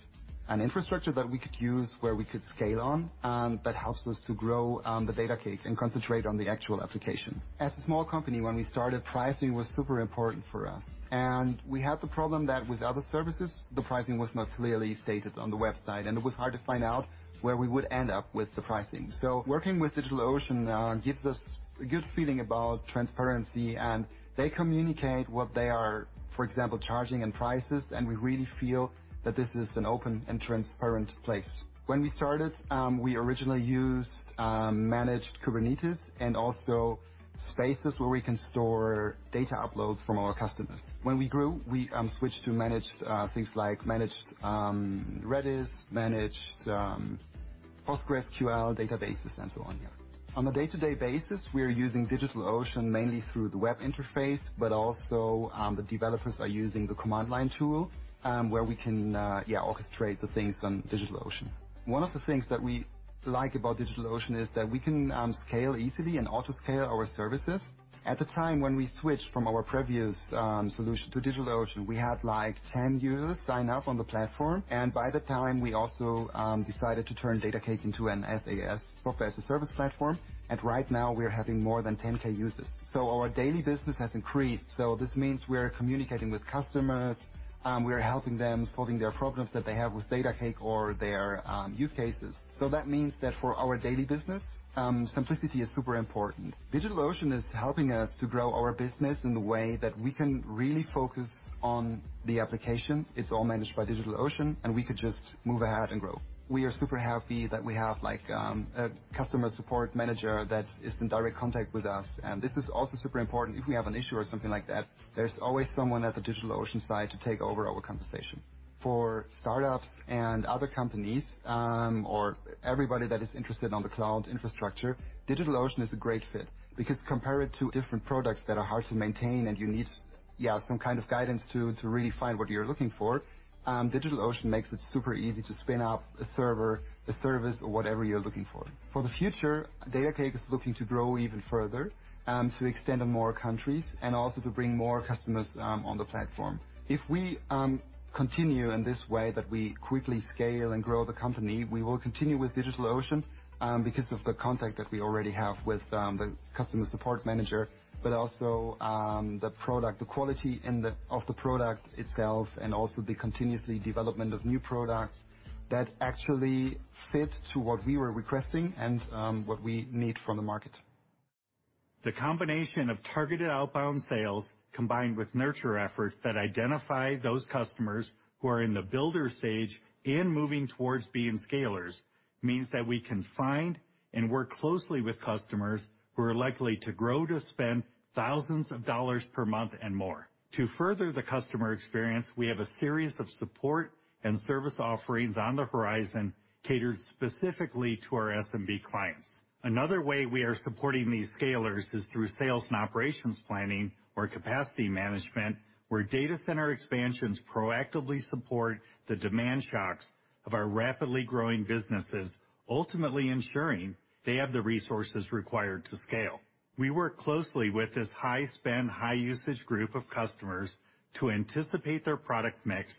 an infrastructure that we could use, where we could scale on, that helps us to grow, the Datacake and concentrate on the actual application. As a small company, when we started, pricing was super important for us, and we had the problem that with other services, the pricing was not clearly stated on the website, and it was hard to find out where we would end up with the pricing. Working with DigitalOcean gives us a good feeling about transparency, and they communicate what they are, for example, charging and prices, and we really feel that this is an open and transparent place. When we started, we originally used managed Kubernetes and also Spaces where we can store data uploads from our customers. When we grew, we switched to managed things like managed Redis, managed PostgreSQL databases and so on. On a day-to-day basis, we are using DigitalOcean mainly through the web interface, but also the developers are using the command line tool where we can orchestrate the things on DigitalOcean. One of the things that we like about DigitalOcean is that we can scale easily and auto-scale our services. At the time when we switched from our previous solution to DigitalOcean, we had, like, 10 users sign up on the platform, and by that time, we also decided to turn Datacake into an SaaS software service platform. Right now we're having more than 10K users, so our daily business has increased. This means we're communicating with customers, we are helping them, solving their problems that they have with Datacake or their use cases. That means that for our daily business, simplicity is super important. DigitalOcean is helping us to grow our business in the way that we can really focus on the application. It's all managed by DigitalOcean, and we could just move ahead and grow. We are super happy that we have, like, a customer support manager that is in direct contact with us, and this is also super important. If we have an issue or something like that, there's always someone at the DigitalOcean side to take over our conversation. For startups and other companies, or everybody that is interested on the cloud infrastructure, DigitalOcean is a great fit because compare it to different products that are hard to maintain and you need, yeah, some kind of guidance to really find what you're looking for, DigitalOcean makes it super easy to spin up a server, a service, or whatever you're looking for. For the future, Datacake is looking to grow even further, to extend to more countries and also to bring more customers, on the platform. If we continue in this way, that we quickly scale and grow the company, we will continue with DigitalOcean, because of the contact that we already have with the customer support manager, but also the product, the quality and the of the product itself, and also the continuous development of new products that actually fit to what we were requesting and what we need from the market.
The combination of targeted outbound sales combined with nurture efforts that identify those customers who are in the builder stage and moving towards being scalers means that we can find and work closely with customers who are likely to grow to spend thousands of dollars per month and more. To further the customer experience, we have a series of support and service offerings on the horizon catered specifically to our SMB clients. Another way we are supporting these scalers is through sales and operations planning or capacity management, where data center expansions proactively support the demand shocks of our rapidly growing businesses, ultimately ensuring they have the resources required to scale. We work closely with this high spend, high usage group of customers to anticipate their product mix,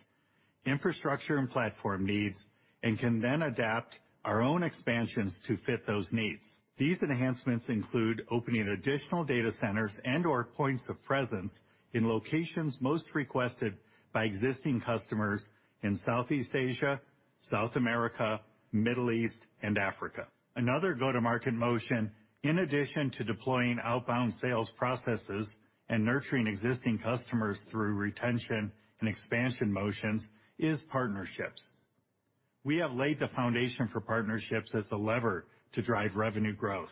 infrastructure and platform needs, and can then adapt our own expansions to fit those needs. These enhancements include opening additional data centers and/or points of presence in locations most requested by existing customers in Southeast Asia, South America, Middle East, and Africa. Another go-to-market motion, in addition to deploying outbound sales processes and nurturing existing customers through retention and expansion motions, is partnerships. We have laid the foundation for partnerships as the lever to drive revenue growth.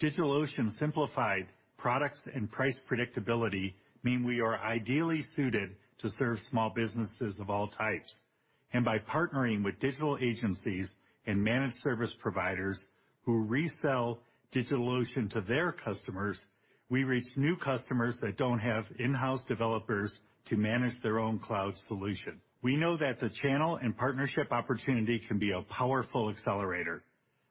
DigitalOcean simplified products and price predictability mean we are ideally suited to serve small businesses of all types. By partnering with digital agencies and managed service providers who resell DigitalOcean to their customers, we reach new customers that don't have in-house developers to manage their own cloud solution. We know that the channel and partnership opportunity can be a powerful accelerator.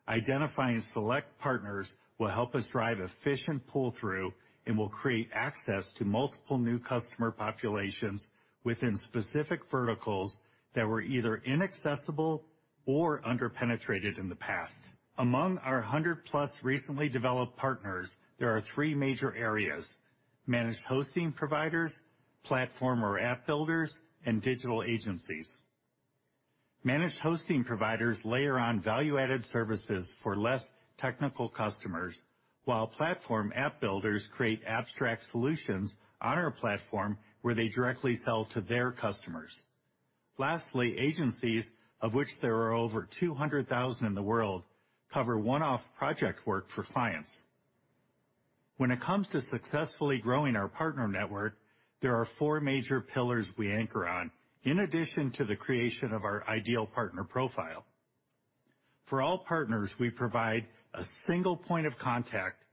Identifying select partners will help us drive efficient pull-through and will create access to multiple new customer populations within specific verticals that were either inaccessible or under-penetrated in the past. Among our 100+ recently developed partners, there are three major areas. Managed hosting providers, platform or app builders, and digital agencies. Managed hosting providers layer on value-added services for less technical customers while platform app builders create abstract solutions on our platform where they directly sell to their customers. Lastly, agencies, of which there are over 200,000 in the world, cover one-off project work for clients. When it comes to successfully growing our partner network, there are four major pillars we anchor on in addition to the creation of our ideal partner profile. For all partners, we provide a single point of contact.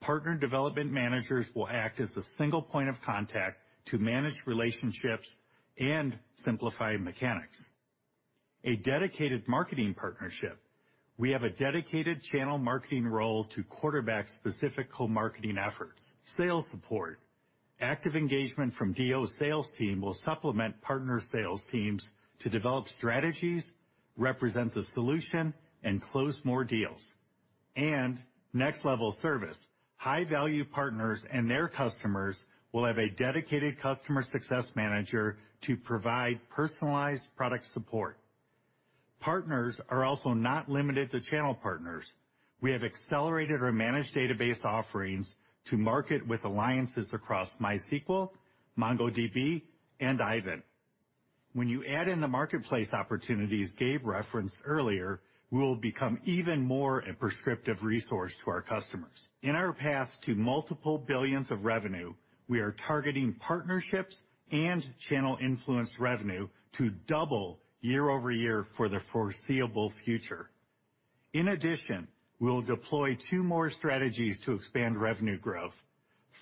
Partner development managers will act as the single point of contact to manage relationships and simplify mechanics. A dedicated marketing partnership. We have a dedicated channel marketing role to quarterback specific co-marketing efforts. Sales support. Active engagement from DO sales team will supplement partner sales teams to develop strategies, represent the solution, and close more deals. Next-level service. High-value partners and their customers will have a dedicated customer success manager to provide personalized product support. Partners are also not limited to channel partners. We have accelerated our managed database offerings to market with alliances across MySQL, MongoDB, and Aiven. When you add in the marketplace opportunities Gabe referenced earlier, we will become even more a prescriptive resource to our customers. In our path to multiple billions of revenue, we are targeting partnerships and channel influence revenue to double year-over-year for the foreseeable future. In addition, we will deploy two more strategies to expand revenue growth.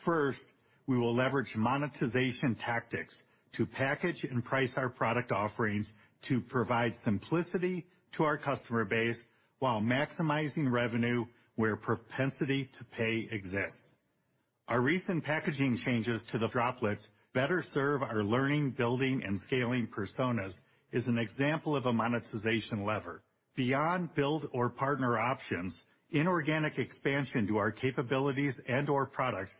First, we will leverage monetization tactics to package and price our product offerings to provide simplicity to our customer base while maximizing revenue where propensity to pay exists. Our recent packaging changes to the Droplets better serve our learning, building, and scaling personas is an example of a monetization lever. Beyond build or partner options, inorganic expansion to our capabilities and/or products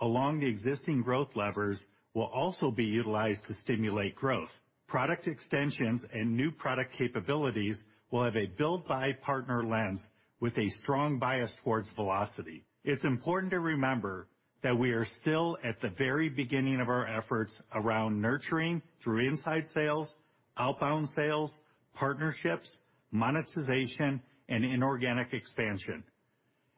along the existing growth levers will also be utilized to stimulate growth. Product extensions and new product capabilities will have a build by partner lens with a strong bias towards velocity. It's important to remember that we are still at the very beginning of our efforts around nurturing through inside sales, outbound sales, partnerships, monetization, and inorganic expansion.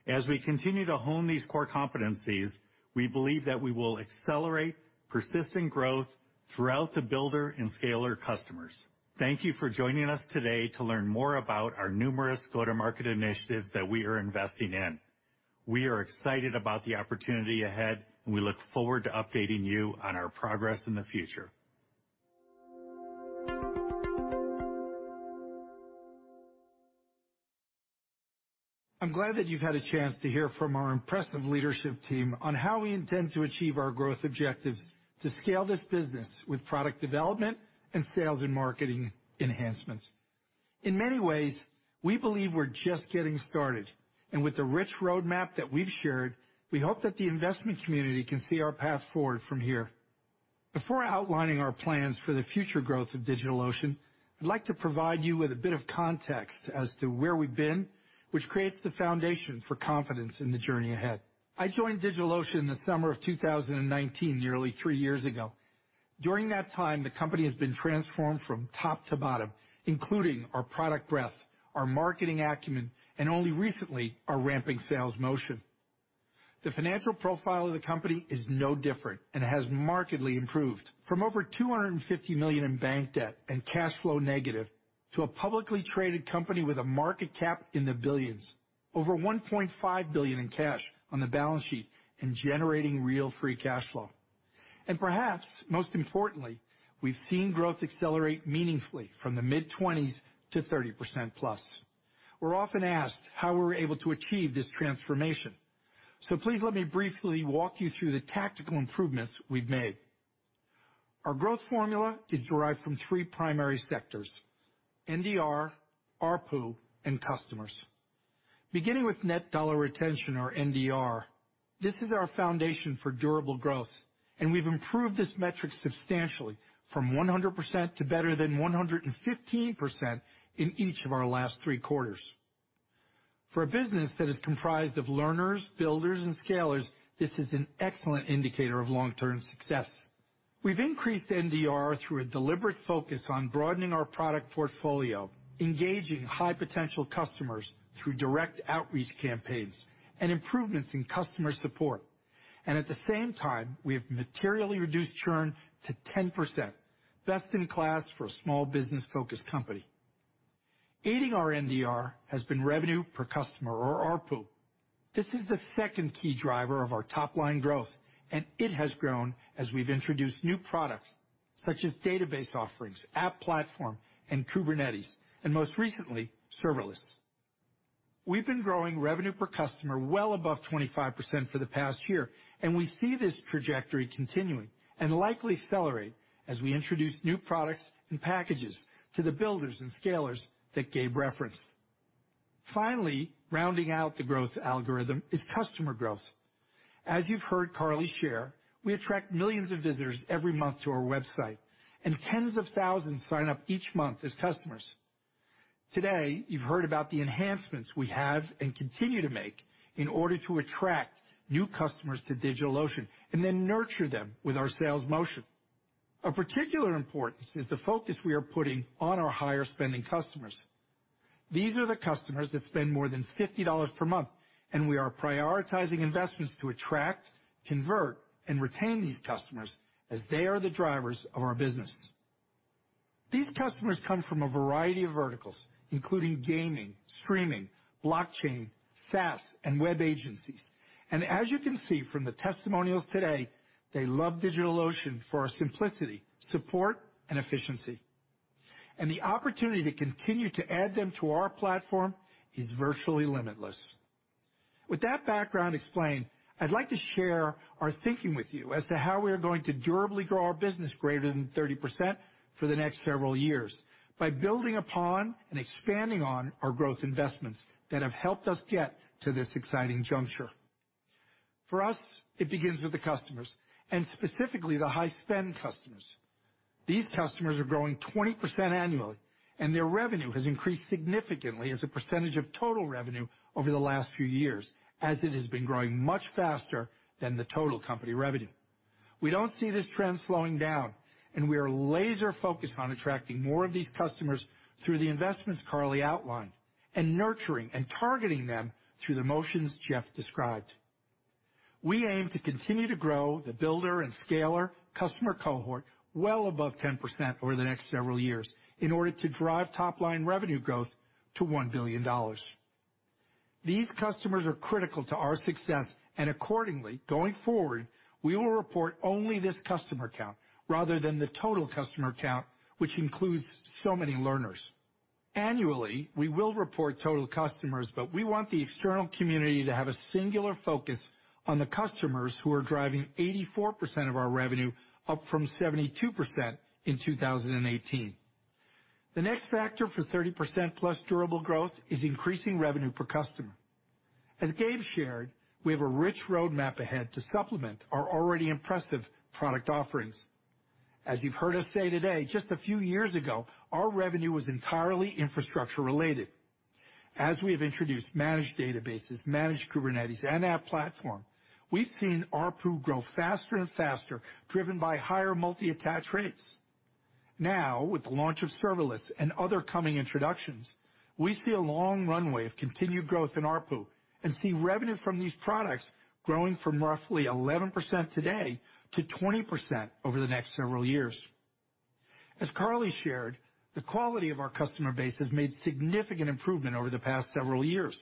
As we continue to hone these core competencies, we believe that we will accelerate persistent growth throughout the builder and scaler customers. Thank you for joining us today to learn more about our numerous go-to-market initiatives that we are investing in. We are excited about the opportunity ahead, and we look forward to updating you on our progress in the future.
I'm glad that you've had a chance to hear from our impressive leadership team on how we intend to achieve our growth objectives to scale this business with product development and sales and marketing enhancements. In many ways, we believe we're just getting started, and with the rich roadmap that we've shared, we hope that the investment community can see our path forward from here. Before outlining our plans for the future growth of DigitalOcean, I'd like to provide you with a bit of context as to where we've been, which creates the foundation for confidence in the journey ahead. I joined DigitalOcean in the summer of 2019, nearly three years ago. During that time, the company has been transformed from top to bottom, including our product breadth, our marketing acumen, and only recently, our ramping sales motion. The financial profile of the company is no different and has markedly improved from over $250 million in bank debt and cash flow negative to a publicly traded company with a market cap in the billions, over $1.5 billion in cash on the balance sheet, and generating real free cash flow. Perhaps most importantly, we've seen growth accelerate meaningfully from the mid 20s to 30%+. We're often asked how we were able to achieve this transformation. Please let me briefly walk you through the tactical improvements we've made. Our growth formula is derived from three primary sectors, NDR, ARPU, and customers. Beginning with net dollar retention or NDR, this is our foundation for durable growth, and we've improved this metric substantially from 100% to better than 115% in each of our last three quarters. For a business that is comprised of learners, builders and scalers, this is an excellent indicator of long-term success. We've increased NDR through a deliberate focus on broadening our product portfolio, engaging high potential customers through direct outreach campaigns and improvements in customer support. At the same time, we have materially reduced churn to 10%, best in class for a small business-focused company. Aiding our NDR has been revenue per customer or ARPU. This is the second key driver of our top-line growth, and it has grown as we've introduced new products such as database offerings, App Platform, and Kubernetes, and most recently, serverless. We've been growing revenue per customer well above 25% for the past year, and we see this trajectory continuing and likely accelerate as we introduce new products and packages to the builders and scalers that Gabe referenced. Finally, rounding out the growth algorithm is customer growth. As you've heard Carly share, we attract millions of visitors every month to our website, and tens of thousands sign up each month as customers. Today, you've heard about the enhancements we have and continue to make in order to attract new customers to DigitalOcean and then nurture them with our sales motion. Of particular importance is the focus we are putting on our higher-spending customers. These are the customers that spend more than $50 per month, and we are prioritizing investments to attract, convert, and retain these customers as they are the drivers of our business. These customers come from a variety of verticals, including gaming, streaming, blockchain, SaaS, and web agencies. As you can see from the testimonials today, they love DigitalOcean for our simplicity, support, and efficiency. The opportunity to continue to add them to our platform is virtually limitless. With that background explained, I'd like to share our thinking with you as to how we are going to durably grow our business greater than 30% for the next several years by building upon and expanding on our growth investments that have helped us get to this exciting juncture. For us, it begins with the customers, and specifically the high-spend customers. These customers are growing 20% annually, and their revenue has increased significantly as a percentage of total revenue over the last few years, as it has been growing much faster than the total company revenue. We don't see this trend slowing down, and we are laser-focused on attracting more of these customers through the investments Carly outlined, and nurturing and targeting them through the motions Jeff described. We aim to continue to grow the builder and scaler customer cohort well above 10% over the next several years in order to drive top-line revenue growth to $1 billion. These customers are critical to our success, and accordingly, going forward, we will report only this customer count rather than the total customer count, which includes so many learners. Annually, we will report total customers, but we want the external community to have a singular focus on the customers who are driving 84% of our revenue, up from 72% in 2018. The next factor for 30% plus durable growth is increasing revenue per customer. As Gabe shared, we have a rich roadmap ahead to supplement our already impressive product offerings. As you've heard us say today, just a few years ago, our revenue was entirely infrastructure-related. As we have introduced managed databases, managed Kubernetes and App Platform, we've seen ARPU grow faster and faster, driven by higher multi-attach rates. Now, with the launch of serverless and other coming introductions, we see a long runway of continued growth in ARPU and see revenue from these products growing from roughly 11% today to 20% over the next several years. As Carly shared, the quality of our customer base has made significant improvement over the past several years.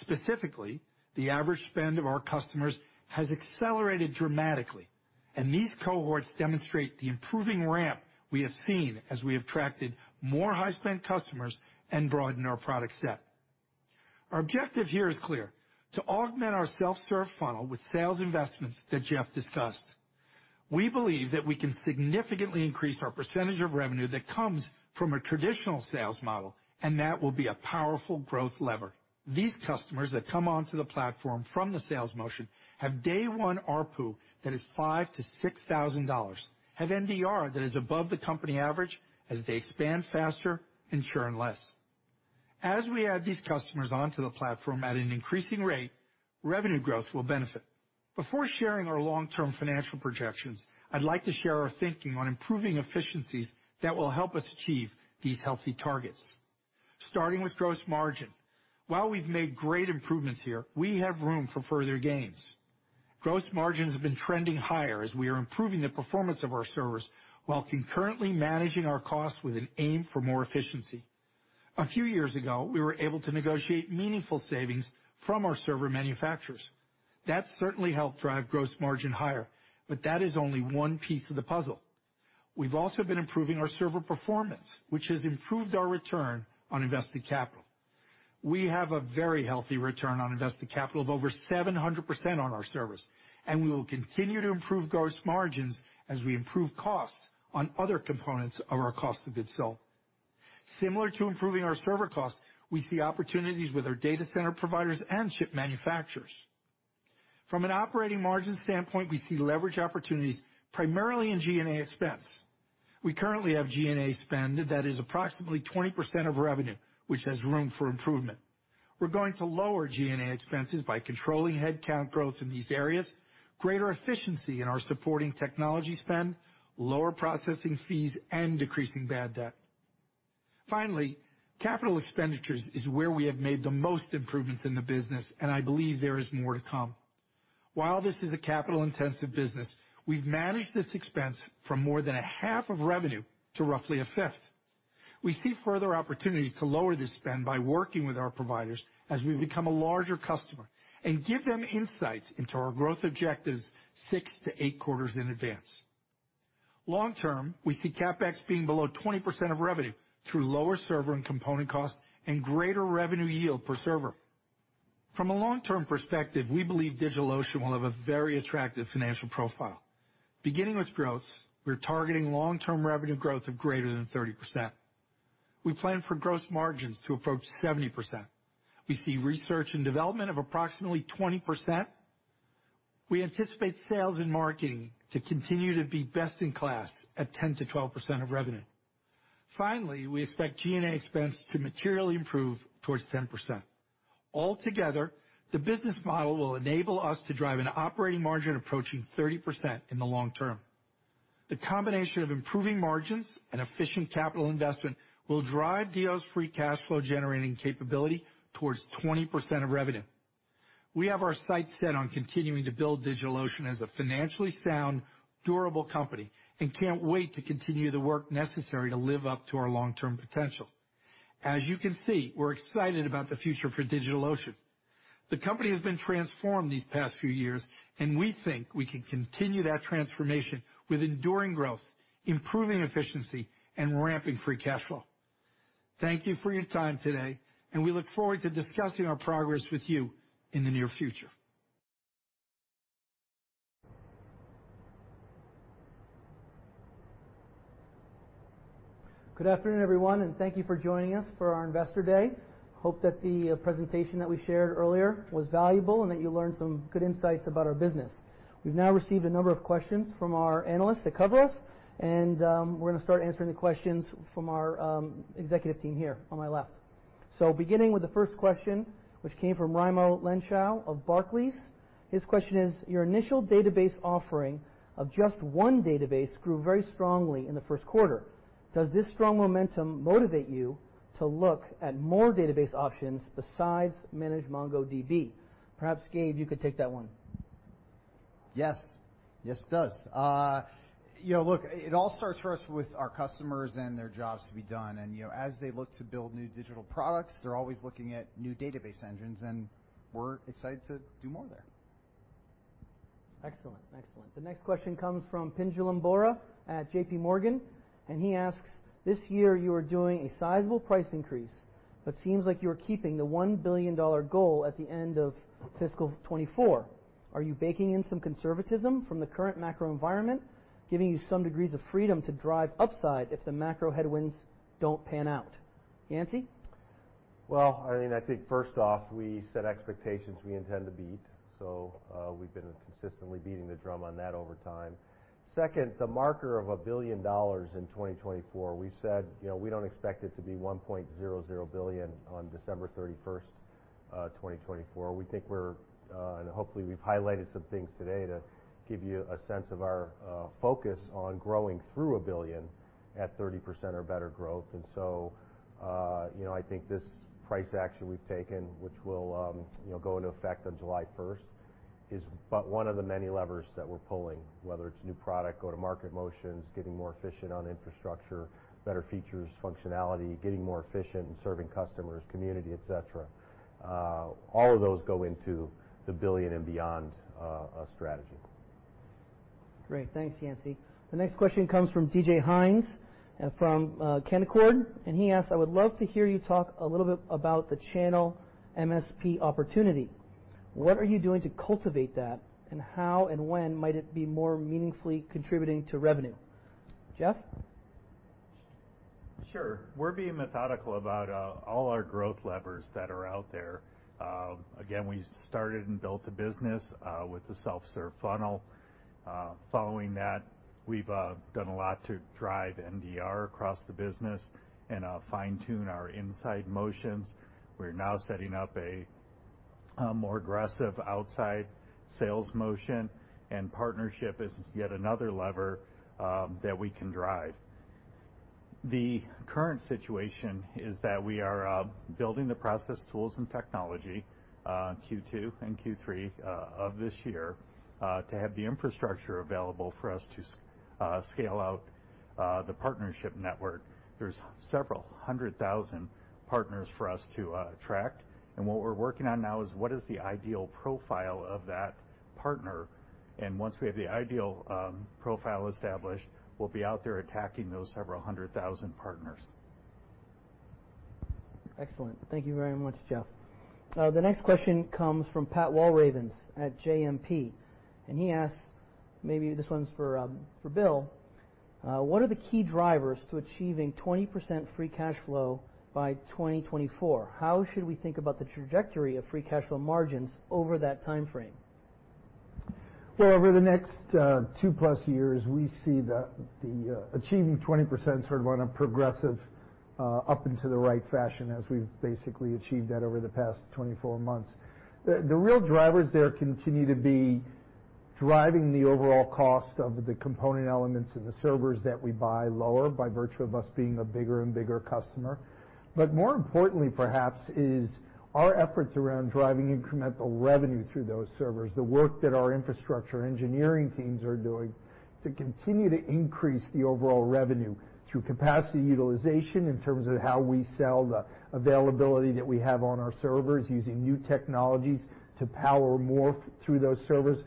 Specifically, the average spend of our customers has accelerated dramatically, and these cohorts demonstrate the improving ramp we have seen as we attracted more high-spend customers and broadened our product set. Our objective here is clear, to augment our self-serve funnel with sales investments that Jeff discussed. We believe that we can significantly increase our percentage of revenue that comes from a traditional sales model, and that will be a powerful growth lever. These customers that come onto the platform from the sales motion have day one ARPU that is $5,000-$6,000, have NDR that is above the company average as they expand faster and churn less. As we add these customers onto the platform at an increasing rate, revenue growth will benefit. Before sharing our long-term financial projections, I'd like to share our thinking on improving efficiencies that will help us achieve these healthy targets. Starting with gross margin. While we've made great improvements here, we have room for further gains. Gross margins have been trending higher as we are improving the performance of our servers while concurrently managing our costs with an aim for more efficiency. A few years ago, we were able to negotiate meaningful savings from our server manufacturers. That certainly helped drive gross margin higher, but that is only one piece of the puzzle. We've also been improving our server performance, which has improved our return on invested capital. We have a very healthy return on invested capital of over 700% on our servers, and we will continue to improve gross margins as we improve costs on other components of our cost of goods sold. Similar to improving our server costs, we see opportunities with our data center providers and chip manufacturers. From an operating margin standpoint, we see leverage opportunities primarily in G&A expense. We currently have G&A spend that is approximately 20% of revenue, which has room for improvement. We're going to lower G&A expenses by controlling headcount growth in these areas, greater efficiency in our supporting technology spend, lower processing fees, and decreasing bad debt. Finally, capital expenditures is where we have made the most improvements in the business, and I believe there is more to come. While this is a capital-intensive business, we've managed this expense from more than a half of revenue to roughly a fifth. We see further opportunity to lower this spend by working with our providers as we become a larger customer and give them insights into our growth objectives 6-8 quarters in advance. Long term, we see CapEx being below 20% of revenue through lower server and component costs and greater revenue yield per server. From a long-term perspective, we believe DigitalOcean will have a very attractive financial profile. Beginning with growth, we're targeting long-term revenue growth of greater than 30%. We plan for gross margins to approach 70%. We see research and development of approximately 20%. We anticipate sales and marketing to continue to be best in class at 10%-12% of revenue. Finally, we expect G&A expense to materially improve towards 10%. Altogether, the business model will enable us to drive an operating margin approaching 30% in the long term. The combination of improving margins and efficient capital investment will drive DO's free cash flow generating capability towards 20% of revenue. We have our sights set on continuing to build DigitalOcean as a financially sound, durable company and can't wait to continue the work necessary to live up to our long-term potential. As you can see, we're excited about the future for DigitalOcean. The company has been transformed these past few years, and we think we can continue that transformation with enduring growth, improving efficiency, and ramping free cash flow. Thank you for your time today, and we look forward to discussing our progress with you in the near future.
Good afternoon, everyone, and thank you for joining us for our Investor Day. Hope that the presentation that we shared earlier was valuable and that you learned some good insights about our business. We've now received a number of questions from our analysts that cover us, and we're going to start answering the questions from our executive team here on my left. Beginning with the first question, which came from Raimo Lenschow of Barclays. His question is, your initial database offering of just one database grew very strongly in the first quarter. Does this strong momentum motivate you to look at more database options besides Managed MongoDB? Perhaps, Gabe, you could take that one.
Yes. Yes, it does. You know, look, it all starts for us with our customers and their jobs to be done. You know, as they look to build new digital products, they're always looking at new database engines, and we're excited to do more there.
Excellent. Excellent. The next question comes from Pinjalim Bora at JP Morgan, and he asks, this year, you are doing a sizable price increase, but it seems like you are keeping the $1 billion goal at the end of fiscal 2024. Are you baking in some conservatism from the current macro environment, giving you some degrees of freedom to drive upside if the macro headwinds don't pan out? Yancey?
Well, I mean, I think first off, we set expectations we intend to beat. We've been consistently beating the drum on that over time. Second, the marker of $1 billion in 2024, we said, you know, we don't expect it to be $1.0 billion on 31st December 2024. We think we're and hopefully, we've highlighted some things today to give you a sense of our focus on growing through $1 billion at 30% or better growth. You know, I think this price action we've taken, which will, you know, go into effect on 1st July, is but one of the many levers that we're pulling, whether it's new product, go-to-market motions, getting more efficient on infrastructure, better features, functionality, getting more efficient in serving customers, community, etc. All of those go into the billion and beyond strategy.
Great. Thanks, Yancey. The next question comes from David Hynes from Canaccord, and he asked, "I would love to hear you talk a little bit about the channel MSP opportunity. What are you doing to cultivate that, and how and when might it be more meaningfully contributing to revenue?" Jeff?
Sure. We're being methodical about all our growth levers that are out there. Again, we started and built a business with the self-serve funnel. Following that, we've done a lot to drive NDR across the business and fine-tune our inside motions. We're now setting up a more aggressive outside sales motion, and partnership is yet another lever that we can drive. The current situation is that we are building the process tools and technology Q2 and Q3 of this year to have the infrastructure available for us to scale out the partnership network. There's several hundred thousand partners for us to attract, and what we're working on now is what is the ideal profile of that partner. Once we have the ideal profile established, we'll be out there attacking those several hundred thousand partners.
Excellent. Thank you very much, Jeff. The next question comes from Pat Walravens at JMP, and he asks. Maybe this one's for Bill. What are the key drivers to achieving 20% free cash flow by 2024? How should we think about the trajectory of free cash flow margins over that timeframe?
Well, over the next 2+ years, we see the achieving 20% sort of on a progressive up and to the right fashion as we've basically achieved that over the past 24 months. The real drivers there continue to be driving the overall cost of the component elements and the servers that we buy lower by virtue of us being a bigger and bigger customer. More importantly perhaps is our efforts around driving incremental revenue through those servers, the work that our infrastructure engineering teams are doing to continue to increase the overall revenue through capacity utilization in terms of how we sell the availability that we have on our servers using new technologies to power more through those servers.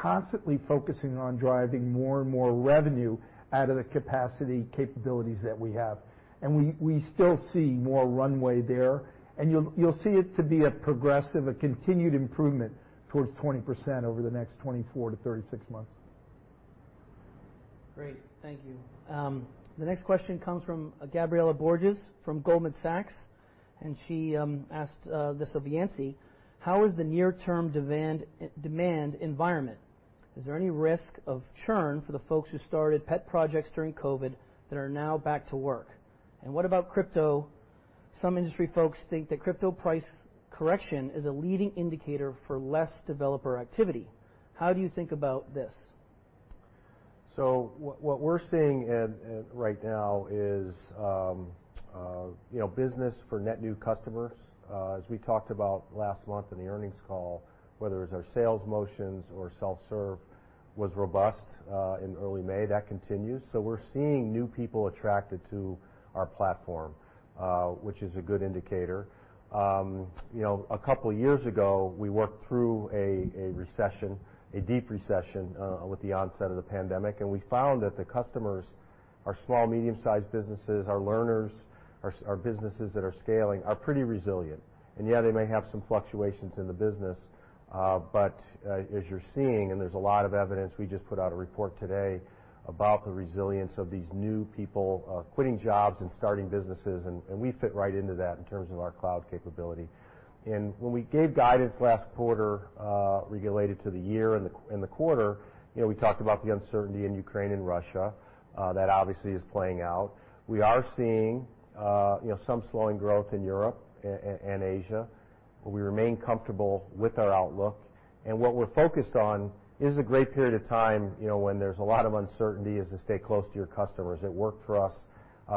Constantly focusing on driving more and more revenue out of the capacity capabilities that we have. We still see more runway there, and you'll see it to be a progressive, a continued improvement towards 20% over the next 24-36 months.
Great. Thank you. The next question comes from Gabriela Borges from Goldman Sachs, and she asked this of Yancey: How is the near-term demand environment? Is there any risk of churn for the folks who started pet projects during COVID that are now back to work? And what about crypto? Some industry folks think that crypto price correction is a leading indicator for less developer activity. How do you think about this?
What we're seeing right now is, you know, business for net new customers, as we talked about last month in the earnings call, whether it's our sales motions or self-serve, was robust in early May. That continues. We're seeing new people attracted to our platform, which is a good indicator. You know, a couple years ago, we worked through a recession, a deep recession, with the onset of the pandemic, and we found that the customers are small, medium-sized businesses. Our customers are businesses that are scaling are pretty resilient. Yeah, they may have some fluctuations in the business, but as you're seeing, and there's a lot of evidence, we just put out a report today about the resilience of these new people quitting jobs and starting businesses, and we fit right into that in terms of our cloud capability. When we gave guidance last quarter related to the year and the quarter, you know, we talked about the uncertainty in Ukraine and Russia. That obviously is playing out. We are seeing, you know, some slowing growth in Europe and Asia, but we remain comfortable with our outlook. What we're focused on is a great period of time, you know, when there's a lot of uncertainty, is to stay close to your customers. It worked for us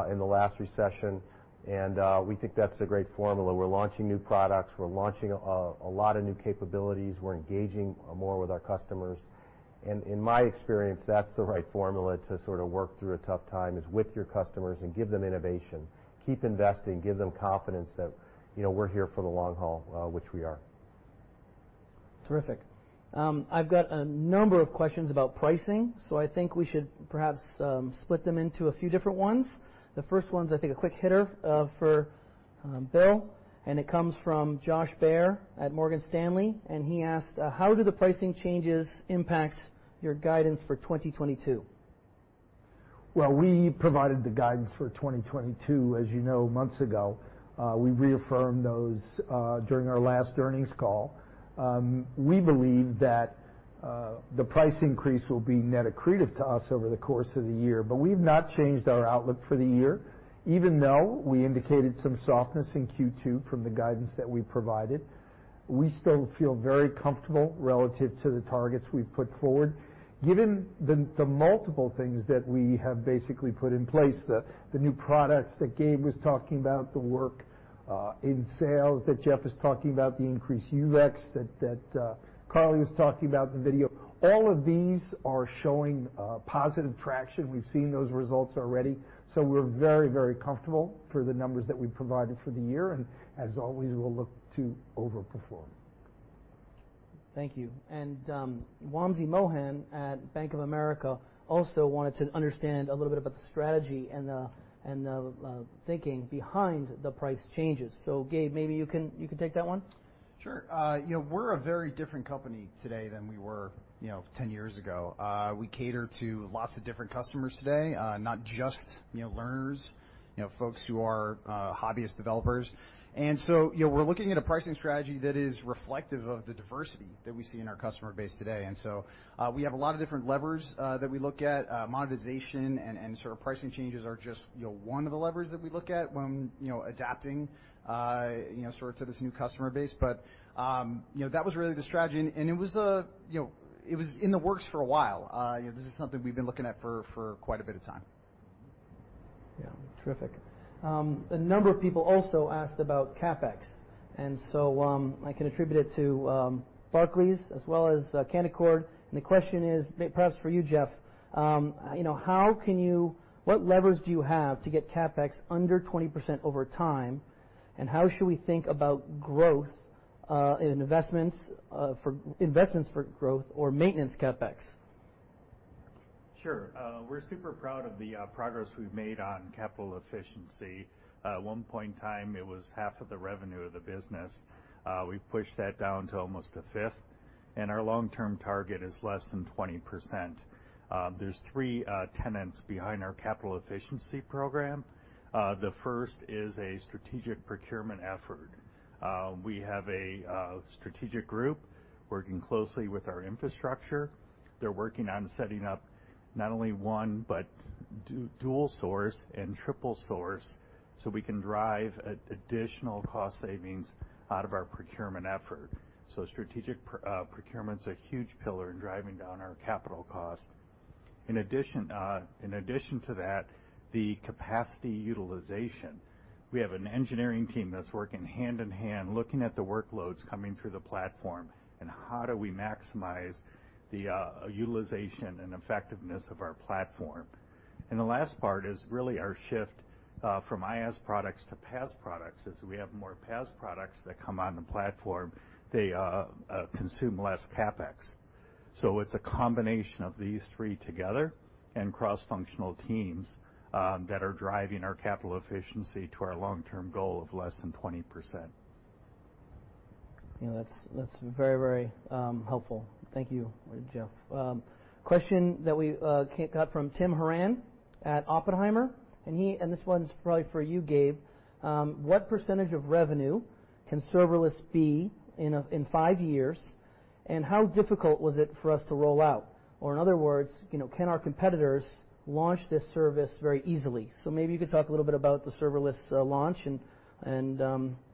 in the last recession, and we think that's a great formula. We're launching new products. We're launching a lot of new capabilities. We're engaging more with our customers. In my experience, that's the right formula to sort of work through a tough time is with your customers and give them innovation. Keep investing, give them confidence that, you know, we're here for the long haul, which we are.
Terrific. I've got a number of questions about pricing, so I think we should perhaps split them into a few different ones. The first one's, I think, a quick hitter for Bill, and it comes from Josh Baer at Morgan Stanley, and he asked how do the pricing changes impact your guidance for 2022?
Well, we provided the guidance for 2022, as you know, months ago. We reaffirmed those during our last earnings call. We believe that the price increase will be net accretive to us over the course of the year, but we've not changed our outlook for the year. Even though we indicated some softness in Q2 from the guidance that we provided, we still feel very comfortable relative to the targets we've put forward. Given the multiple things that we have basically put in place, the new products that Gabe was talking about, the work in sales that Jeff was talking about, the increased UX that Carly was talking about in video, all of these are showing positive traction. We've seen those results already, so we're very, very comfortable for the numbers that we've provided for the year, and as always, we'll look to overperform.
Thank you. Wamsi Mohan at Bank of America also wanted to understand a little bit about the strategy and the thinking behind the price changes. Gabe, maybe you can take that one.
Sure. You know, we're a very different company today than we were, you know, 10 years ago. We cater to lots of different customers today, not just, you know, learners, you know, folks who are, hobbyist developers. You know, we're looking at a pricing strategy that is reflective of the diversity that we see in our customer base today. We have a lot of different levers that we look at. Monetization and sort of pricing changes are just, you know, one of the levers that we look at when, you know, adapting, you know, sort of to this new customer base. You know, that was really the strategy. You know, it was in the works for a while. You know, this is something we've been looking at for quite a bit of time.
Yeah. Terrific. A number of people also asked about CapEx, and so, I can attribute it to Barclays as well as Canaccord. The question is, maybe perhaps for you, Jeff, you know, what levers do you have to get CapEx under 20% over time, and how should we think about growth in investments for growth or maintenance CapEx?
Sure. We're super proud of the progress we've made on capital efficiency. At one point in time, it was half of the revenue of the business. We've pushed that down to almost a fifth, and our long-term target is less than 20%. There's three tenets behind our capital efficiency program. The first is a strategic procurement effort. We have a strategic group working closely with our infrastructure. They're working on setting up not only one, but dual source and triple source, so we can drive additional cost savings out of our procurement effort. Strategic procurement's a huge pillar in driving down our capital costs. In addition to that, the capacity utilization. We have an engineering team that's working hand in hand, looking at the workloads coming through the platform and how do we maximize the utilization and effectiveness of our platform. The last part is really our shift from IaaS products to PaaS products. As we have more PaaS products that come on the platform, they consume less CapEx. It's a combination of these three together and cross-functional teams that are driving our capital efficiency to our long-term goal of less than 20%.
You know, that's very helpful. Thank you, Jeff. Question that we got from Tim Horan at Oppenheimer, and this one's probably for you, Gabe. What percentage of revenue can serverless be in five years, and how difficult was it for us to roll out? In other words, you know, can our competitors launch this service very easily? Maybe you could talk a little bit about the serverless launch and,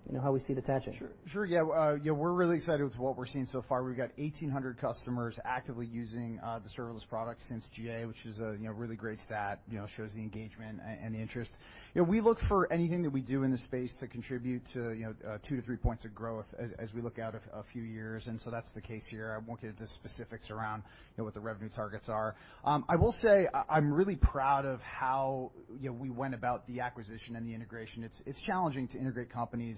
you know, how we see it attaching.
Sure, yeah. Yeah, we're really excited with what we're seeing so far. We've got 1,800 customers actively using the serverless products since GA, which is a you know really great stat. You know, shows the engagement and the interest. You know, we look for anything that we do in the space to contribute to you know 2-3 points of growth as we look out a few years. That's the case here. I won't get into specifics around you know what the revenue targets are. I will say I'm really proud of how you know we went about the acquisition and the integration. It's challenging to integrate companies.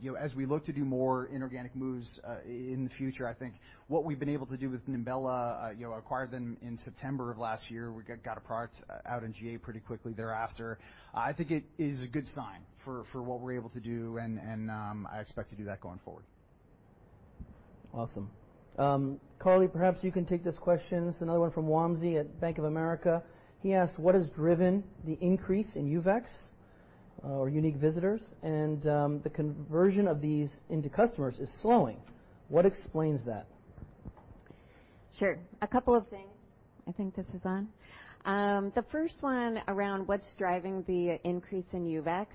You know, as we look to do more inorganic moves in the future, I think what we've been able to do with Nimbella, you know, acquired them in September of last year. We got a product out in GA pretty quickly thereafter. I think it is a good sign for what we're able to do, and I expect to do that going forward.
Awesome. Carly Brantz, perhaps you can take this question. It's another one from Wamsi Mohan at Bank of America. He asks, "What has driven the increase in UVEX, or unique visitors? And, the conversion of these into customers is slowing. What explains that?
Sure. A couple of things. I think this is on. The first one around what's driving the increase in UVEX,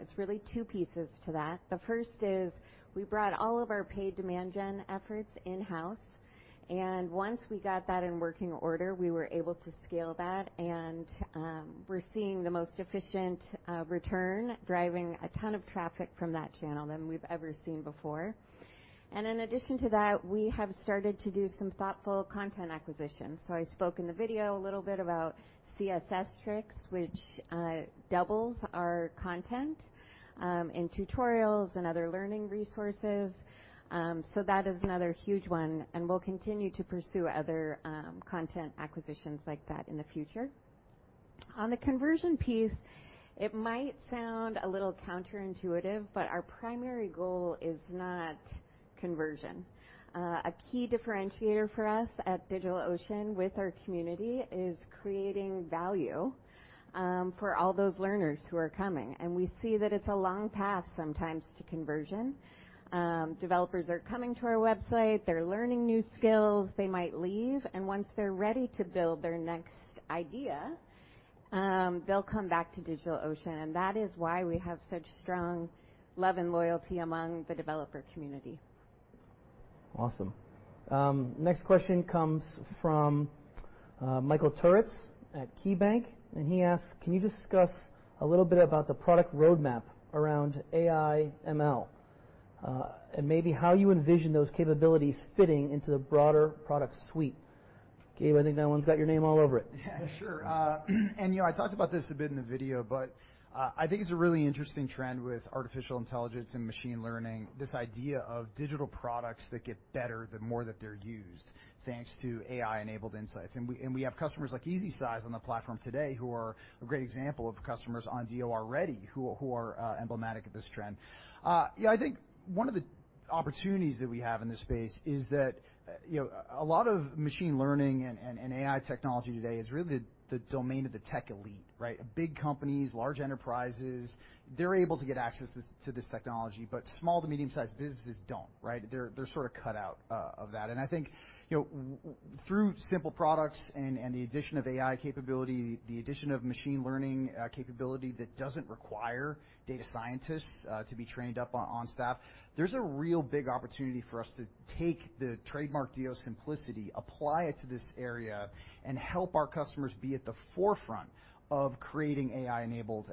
it's really two pieces to that. The first is we brought all of our paid demand gen efforts in-house, and once we got that in working order, we were able to scale that. We're seeing the most efficient return, driving a ton of traffic from that channel than we've ever seen before. In addition to that, we have started to do some thoughtful content acquisitions. I spoke in the video a little bit about CSS-Tricks, which doubles our content, and tutorials and other learning resources. That is another huge one, and we'll continue to pursue other content acquisitions like that in the future. On the conversion piece, it might sound a little counterintuitive, but our primary goal is not conversion. A key differentiator for us at DigitalOcean with our community is creating value for all those learners who are coming, and we see that it's a long path sometimes to conversion. Developers are coming to our website, they're learning new skills. They might leave, and once they're ready to build their next idea, they'll come back to DigitalOcean, and that is why we have such strong love and loyalty among the developer community.
Awesome. Next question comes from Michael Turits at KeyBank, and he asks, "Can you discuss a little bit about the product roadmap around AI ML, and maybe how you envision those capabilities fitting into the broader product suite?" Gabe, I think that one's got your name all over it.
Yeah, sure. You know, I talked about this a bit in the video, but I think it's a really interesting trend with artificial intelligence and machine learning, this idea of digital products that get better the more that they're used, thanks to AI-enabled insights. We have customers like EasySize on the platform today who are a great example of customers on DO already who are emblematic of this trend. Yeah, I think one of the opportunities that we have in this space is that, you know, a lot of machine learning and AI technology today is really the domain of the tech elite, right? Big companies, large enterprises, they're able to get access to this technology, but small to medium-sized businesses don't, right? They're sort of cut out of that. I think, you know, through simple products and the addition of AI capability, the addition of machine learning capability that doesn't require data scientists to be trained up on staff, there's a real big opportunity for us to take the trademark DO simplicity, apply it to this area, and help our customers be at the forefront of creating AI-enabled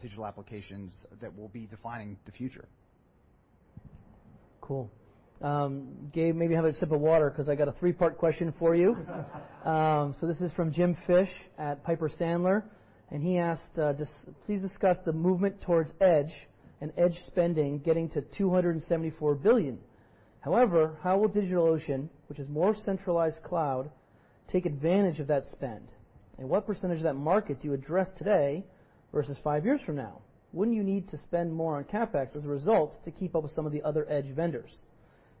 digital applications that will be defining the future.
Cool. Gabe, maybe have a sip of water because I got a three-part question for you. So this is from Jim Fish at Piper Sandler, and he asked, "Just please discuss the movement towards edge and edge spending getting to $274 billion. However, how will DigitalOcean, which is more centralized cloud, take advantage of that spend? And what percentage of that market do you address today versus five years from now? Wouldn't you need to spend more on CapEx as a result to keep up with some of the other edge vendors?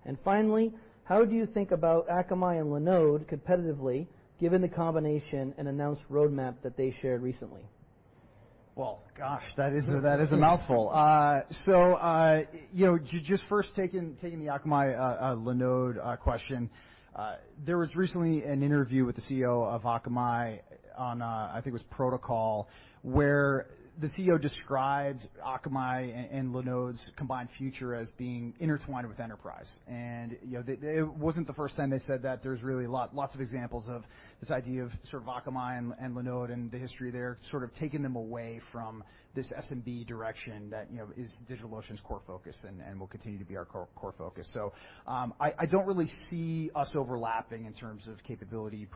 And finally, how do you think about Akamai and Linode competitively, given the combination and announced roadmap that they shared recently?
Well, gosh, that is a mouthful. You know, just first taking the Akamai Linode question. There was recently an interview with the CEO of Akamai on, I think it was Protocol, where the CEO describes Akamai and Linode's combined future as being intertwined with enterprise. You know, it wasn't the first time they said that. There's really lots of examples of this idea of sort of Akamai and Linode and the history there sort of taking them away from this SMB direction that, you know, is DigitalOcean's core focus and will continue to be our core focus. I don't really see us overlapping in terms of capability,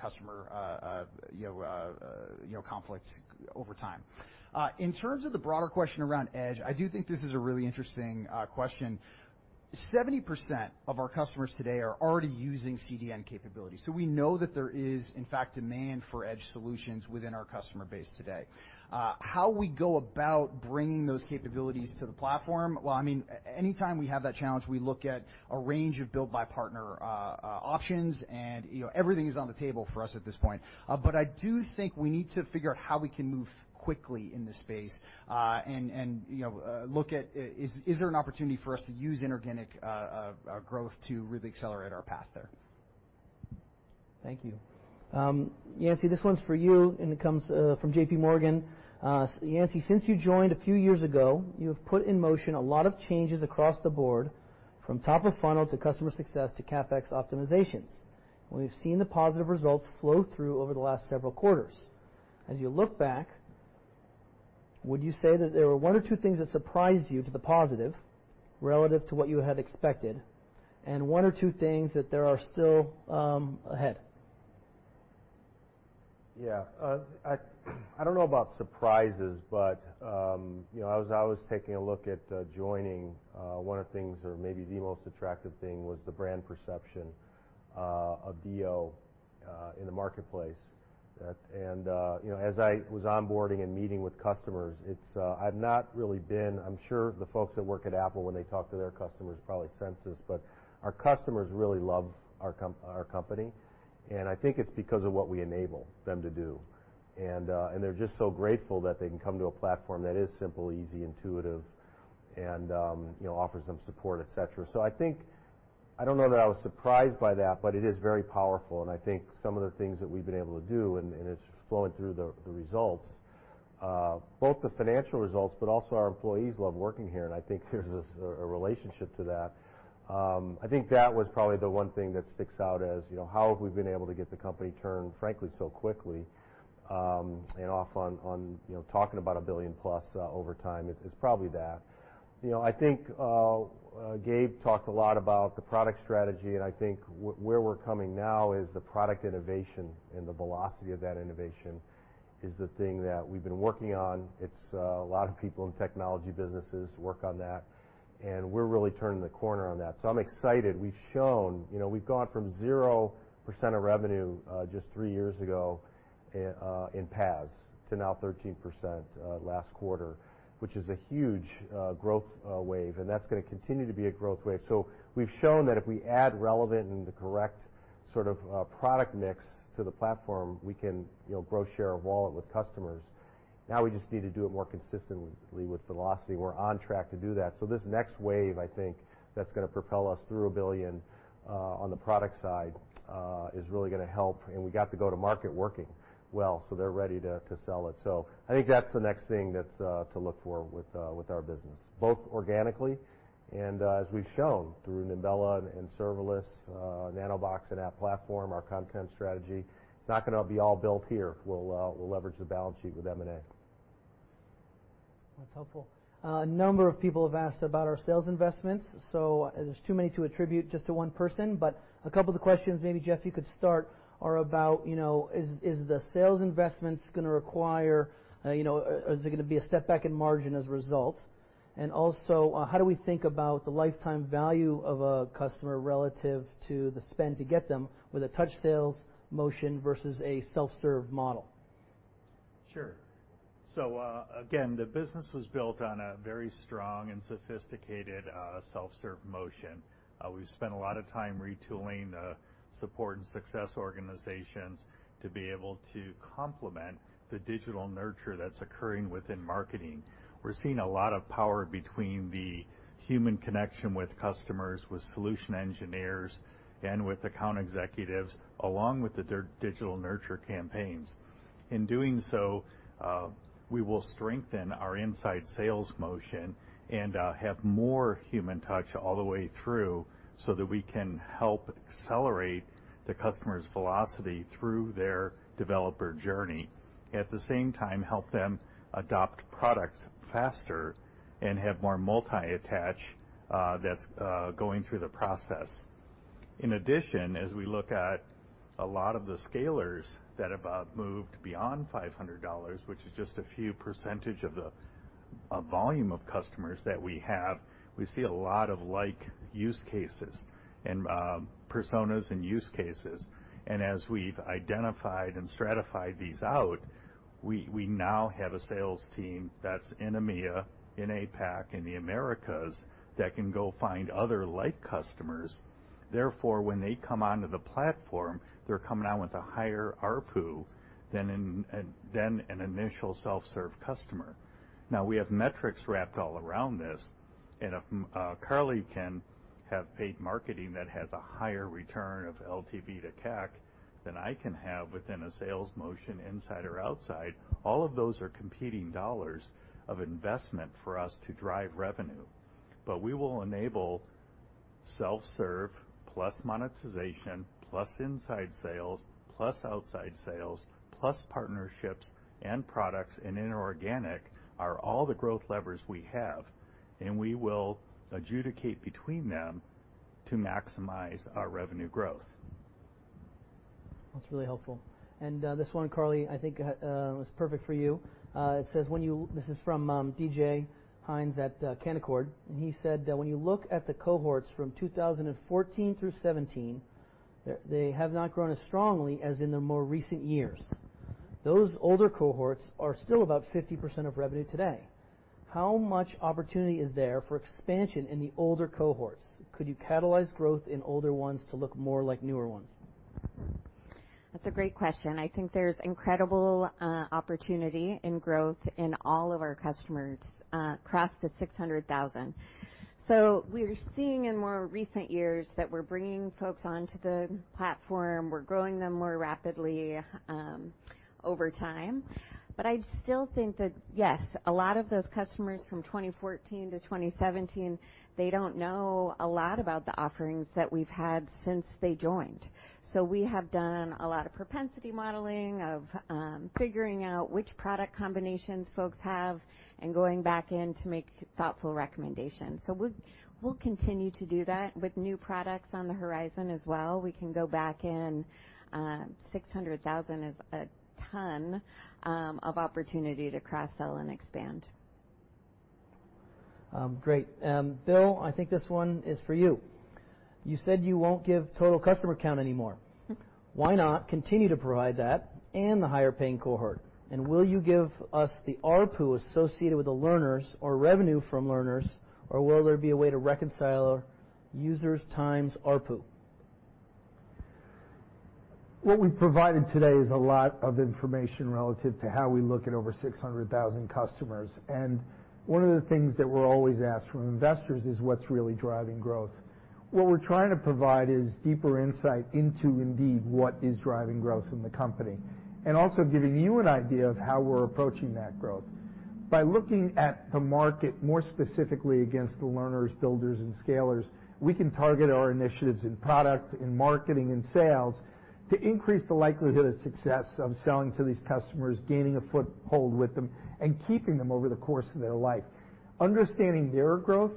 customer, you know, conflicts over time. In terms of the broader question around edge, I do think this is a really interesting question. 70% of our customers today are already using CDN capabilities, so we know that there is, in fact, demand for edge solutions within our customer base today. How we go about bringing those capabilities to the platform, well, I mean, anytime we have that challenge, we look at a range of build, buy, partner options. You know, everything is on the table for us at this point. I do think we need to figure out how we can move quickly in this space, and you know, look at is there an opportunity for us to use inorganic growth to really accelerate our path there.
Thank you. Yancey, this one's for you, and it comes from JP Morgan. Yancey, since you joined a few years ago, you have put in motion a lot of changes across the board, from top of funnel to customer success to CapEx optimizations. We've seen the positive results flow through over the last several quarters. As you look back, would you say that there were one or two things that surprised you to the positive relative to what you had expected, and one or two things that there are still ahead?
Yeah. I don't know about surprises, but you know, I was taking a look at joining. One of the things or maybe the most attractive thing was the brand perception of DO in the marketplace. You know, as I was onboarding and meeting with customers, I'm sure the folks that work at Apple when they talk to their customers probably sense this, but our customers really love our company, and I think it's because of what we enable them to do. They're just so grateful that they can come to a platform that is simple, easy, intuitive, and you know, offers them support, et cetera. I think I don't know that I was surprised by that, but it is very powerful, and I think some of the things that we've been able to do, and it's flowing through the results, both the financial results, but also our employees love working here, and I think there's a relationship to that. I think that was probably the one thing that sticks out as, you know, how have we been able to get the company turned, frankly, so quickly, and off on, you know, talking about $1 billion-plus over time is probably that. You know, I think Gabe talked a lot about the product strategy, and I think where we're coming now is the product innovation and the velocity of that innovation is the thing that we've been working on. It's a lot of people in technology businesses work on that, and we're really turning the corner on that. I'm excited. We've shown. You know, we've gone from 0% of revenue just three years ago in PaaS to now 13% last quarter, which is a huge growth wave, and that's gonna continue to be a growth wave. We've shown that if we add relevant and the correct sort of product mix to the platform, we can, you know, grow share of wallet with customers. Now, we just need to do it more consistently with velocity. We're on track to do that. This next wave, I think, that's gonna propel us through $1 billion on the product side is really gonna help. We got the go-to-market working well, so they're ready to sell it. I think that's the next thing that's to look for with our business, both organically and as we've shown through Nimbella and serverless, Nanobox and App Platform, our content strategy. It's not gonna be all built here. We'll leverage the balance sheet with M&A.
That's helpful. A number of people have asked about our sales investments, so there's too many to attribute just to one person. But a couple of the questions, maybe Jeff, you could start, are about, you know, is the sales investments gonna require, you know, or is it gonna be a step back in margin as a result? Also, how do we think about the lifetime value of a customer relative to the spend to get them with a touch sales motion versus a self-serve model?
Sure. Again, the business was built on a very strong and sophisticated self-serve motion. We've spent a lot of time retooling the support and success organizations to be able to complement the digital nurture that's occurring within marketing. We're seeing a lot of power between the human connection with customers, with solution engineers, and with account executives, along with the digital nurture campaigns. In doing so, we will strengthen our inside sales motion and have more human touch all the way through so that we can help accelerate the customer's velocity through their developer journey. At the same time, help them adopt products faster and have more multi-attach that's going through the process. In addition, as we look at a lot of the scalers that have moved beyond $500, which is just a few percent of the volume of customers that we have, we see a lot of like use cases and personas and use cases. As we've identified and stratified these out, we now have a sales team that's in EMEA, in APAC, in the Americas, that can go find other like customers. Therefore, when they come onto the platform, they're coming on with a higher ARPU than an initial self-serve customer. Now, we have metrics wrapped all around this. If Carly can have paid marketing that has a higher return of LTV to CAC than I can have within a sales motion inside or outside, all of those are competing dollars of investment for us to drive revenue. We will enable self-serve plus monetization, plus inside sales, plus outside sales, plus partnerships and products in inorganic are all the growth levers we have, and we will adjudicate between them to maximize our revenue growth.
That's really helpful. This one, Carly, I think, was perfect for you. It says, this is from David Hynes at Canaccord Genuity, and he said that when you look at the cohorts from 2014 through 2017, they have not grown as strongly as in the more recent years. Those older cohorts are still about 50% of revenue today. How much opportunity is there for expansion in the older cohorts? Could you catalyze growth in older ones to look more like newer ones?
That's a great question. I think there's incredible opportunity and growth in all of our customers across the 600,000. We're seeing in more recent years that we're bringing folks onto the platform, we're growing them more rapidly over time. I'd still think that yes, a lot of those customers from 2014-2017, they don't know a lot about the offerings that we've had since they joined. We have done a lot of propensity modeling of figuring out which product combinations folks have and going back in to make thoughtful recommendations. We'll continue to do that with new products on the horizon as well. We can go back in, 600,000 is a ton of opportunity to cross-sell and expand.
Great. Bill, I think this one is for you. You said you won't give total customer count anymore. Why not continue to provide that and the higher paying cohort? Will you give us the ARPU associated with the learners or revenue from learners, or will there be a way to reconcile users times ARPU?
What we've provided today is a lot of information relative to how we look at over 600,000 customers. One of the things that we're always asked from investors is what's really driving growth. What we're trying to provide is deeper insight into indeed what is driving growth in the company, and also giving you an idea of how we're approaching that growth. By looking at the market, more specifically against the learners, builders, and scalers, we can target our initiatives in product, in marketing, and sales to increase the likelihood of success of selling to these customers, gaining a foothold with them, and keeping them over the course of their life. Understanding their growth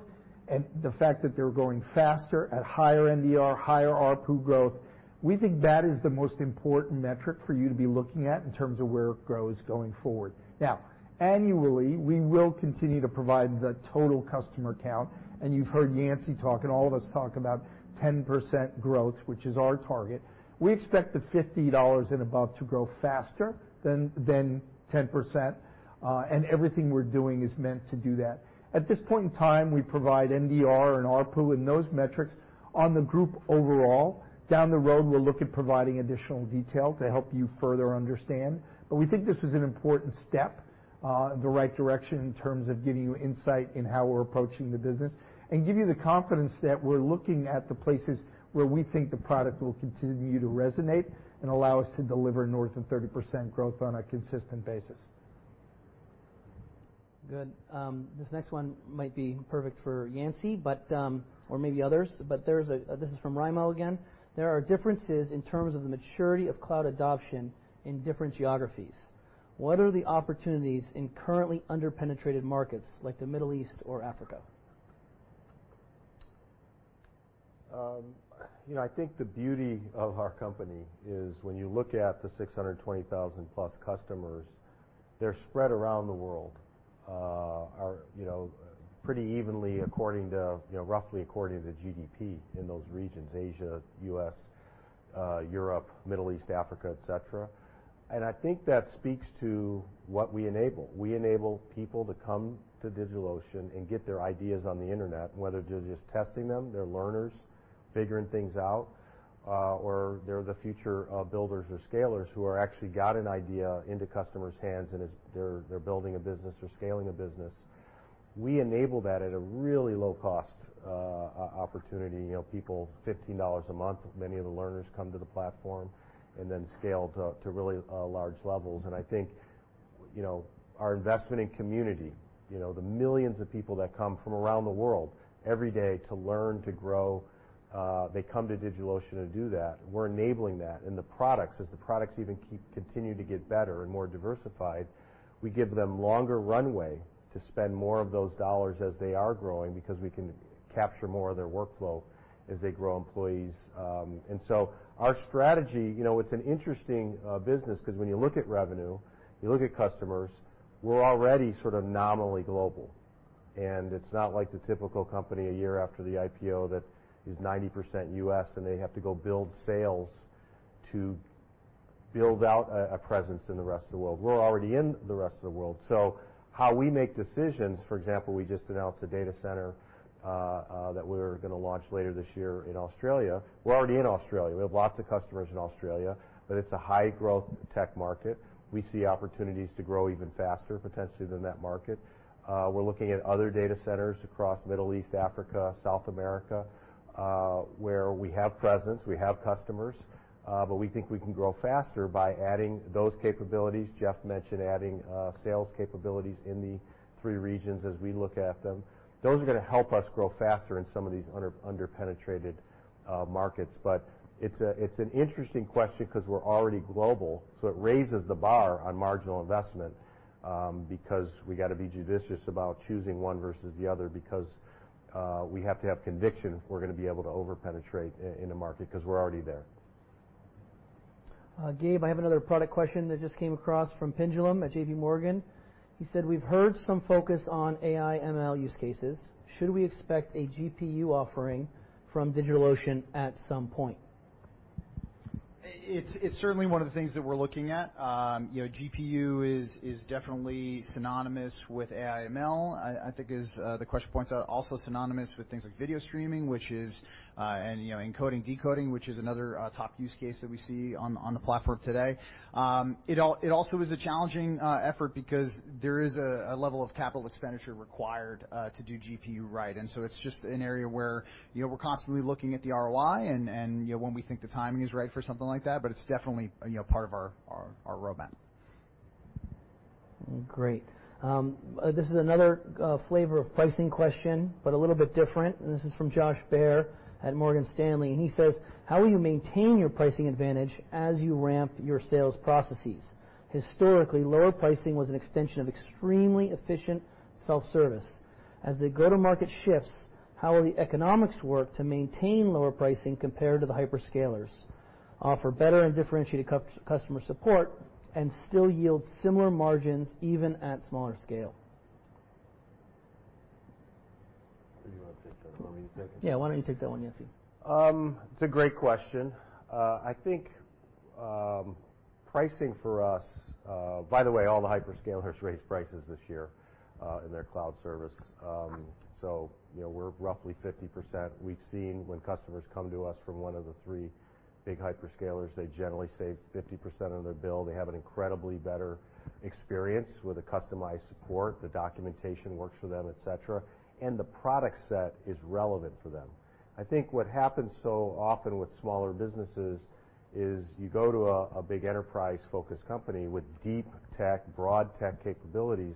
and the fact that they're growing faster at higher NDR, higher ARPU growth, we think that is the most important metric for you to be looking at in terms of where it grows going forward. Now, annually, we will continue to provide the total customer count, and you've heard Yancey talk and all of us talk about 10% growth, which is our target. We expect the $50 and above to grow faster than 10%, and everything we're doing is meant to do that. At this point in time, we provide NDR and ARPU and those metrics on the group overall. Down the road, we'll look at providing additional detail to help you further understand. We think this is an important step in the right direction in terms of giving you insight in how we're approaching the business and give you the confidence that we're looking at the places where we think the product will continue to resonate and allow us to deliver north of 30% growth on a consistent basis.
Good. This next one might be perfect for Yancey, but or maybe others. This is from Raimo Lenschow again. There are differences in terms of the maturity of cloud adoption in different geographies. What are the opportunities in currently under-penetrated markets like the Middle East or Africa?
You know, I think the beauty of our company is when you look at the 620,000+ customers, they're spread around the world, you know, pretty evenly according to, you know, roughly according to GDP in those regions, Asia, U.S., Europe, Middle East, Africa, etc. I think that speaks to what we enable. We enable people to come to DigitalOcean and get their ideas on the internet, whether they're just testing them, they're learners figuring things out, or they're the future builders or scalers who are actually got an idea into customers' hands, and it's they're building a business or scaling a business. We enable that at a really low cost opportunity. You know, people, $15 a month, many of the learners come to the platform and then scale to really large levels. I think, you know, our investment in community, you know, the millions of people that come from around the world every day to learn, to grow, they come to DigitalOcean to do that. We're enabling that. The products, as the products even continue to get better and more diversified, we give them longer runway to spend more of those dollars as they are growing, because we can capture more of their workflow as they grow employees. Our strategy, you know, it's an interesting business because when you look at revenue, you look at customers, we're already sort of nominally global. It's not like the typical company a year after the IPO that is 90% U.S., and they have to go build sales to build out a presence in the rest of the world. We're already in the rest of the world. How we make decisions, for example, we just announced a data center that we're gonna launch later this year in Australia. We're already in Australia. We have lots of customers in Australia, but it's a high-growth tech market. We see opportunities to grow even faster, potentially, than that market. We're looking at other data centers across Middle East, Africa, South America, where we have presence, we have customers, but we think we can grow faster by adding those capabilities. Jeff mentioned adding sales capabilities in the three regions as we look at them. Those are gonna help us grow faster in some of these under-penetrated markets. It's an interesting question because we're already global, so it raises the bar on marginal investment, because we gotta be judicious about choosing one versus the other because we have to have conviction if we're gonna be able to over-penetrate in the market because we're already there.
Gabe, I have another product question that just came across from Pinjalim Bora at JP Morgan. He said, "We've heard some focus on AI ML use cases. Should we expect a GPU offering from DigitalOcean at some point?
It's certainly one of the things that we're looking at. You know, GPU is definitely synonymous with AI ML. I think as the question points out, also synonymous with things like video streaming and, you know, encoding, decoding, which is another top use case that we see on the platform today. It also is a challenging effort because there is a level of capital expenditure required to do GPU right. It's just an area where, you know, we're constantly looking at the ROI and, you know, when we think the timing is right for something like that, but it's definitely, you know, part of our roadmap.
Great. This is another flavor of pricing question, but a little bit different. This is from Josh Baer at Morgan Stanley, and he says, "How will you maintain your pricing advantage as you ramp your sales processes? Historically, lower pricing was an extension of extremely efficient self-service. As the go-to-market shifts, how will the economics work to maintain lower pricing compared to the hyperscalers, offer better and differentiated customer support, and still yield similar margins even at smaller scale?
Do you wanna take that or want me to take it?
Yeah. Why don't you take that one, Yancey?
It's a great question. I think pricing for us. By the way, all the hyperscalers raised prices this year in their cloud service. You know, we're roughly 50%. We've seen when customers come to us from one of the three big hyperscalers, they generally save 50% of their bill. They have an incredibly better experience with the customized support, the documentation works for them, et cetera, and the product set is relevant for them. I think what happens so often with smaller businesses is you go to a big enterprise-focused company with deep tech, broad tech capabilities,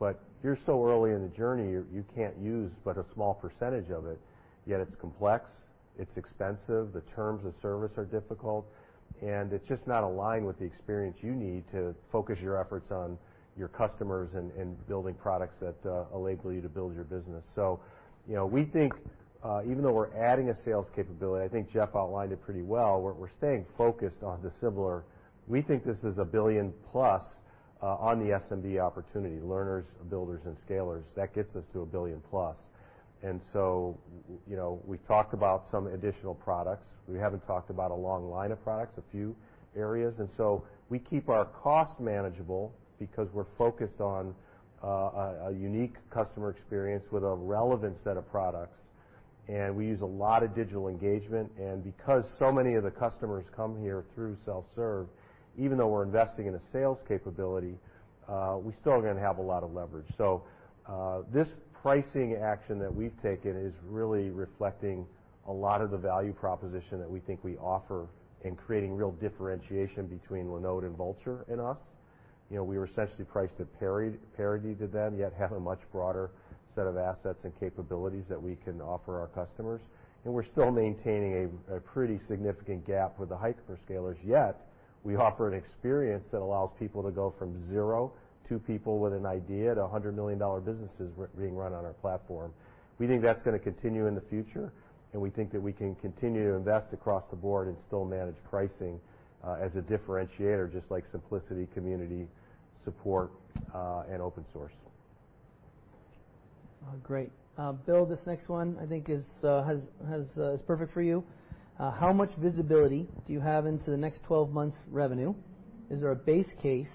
but you're so early in the journey, you can't use but a small percentage of it. Yet it's complex, it's expensive, the terms of service are difficult, and it's just not aligned with the experience you need to focus your efforts on your customers and building products that enable you to build your business. You know, we think even though we're adding a sales capability, I think Jeff outlined it pretty well, we're staying focused on the same. We think this is a $1 billion+ on the SMB opportunity, learners, builders, and scalers. That gets us to a $1 billion+. You know, we talked about some additional products. We haven't talked about a long line of products, a few areas. We keep our costs manageable because we're focused on a unique customer experience with a relevant set of products, and we use a lot of digital engagement. Because so many of the customers come here through self-serve, even though we're investing in a sales capability, we're still gonna have a lot of leverage. This pricing action that we've taken is really reflecting a lot of the value proposition that we think we offer in creating real differentiation between Linode and Vultr and us. You know, we were essentially priced at parity to them, yet have a much broader set of assets and capabilities that we can offer our customers. We're still maintaining a pretty significant gap with the hyperscalers, yet we offer an experience that allows people to go from zero to people with an idea to $100 million dollar businesses being run on our platform. We think that's gonna continue in the future, and we think that we can continue to invest across the board and still manage pricing, as a differentiator, just like simplicity, community support, and open source.
Great. Bill, this next one I think is perfect for you. How much visibility do you have into the next 12 months revenue? Is there a base case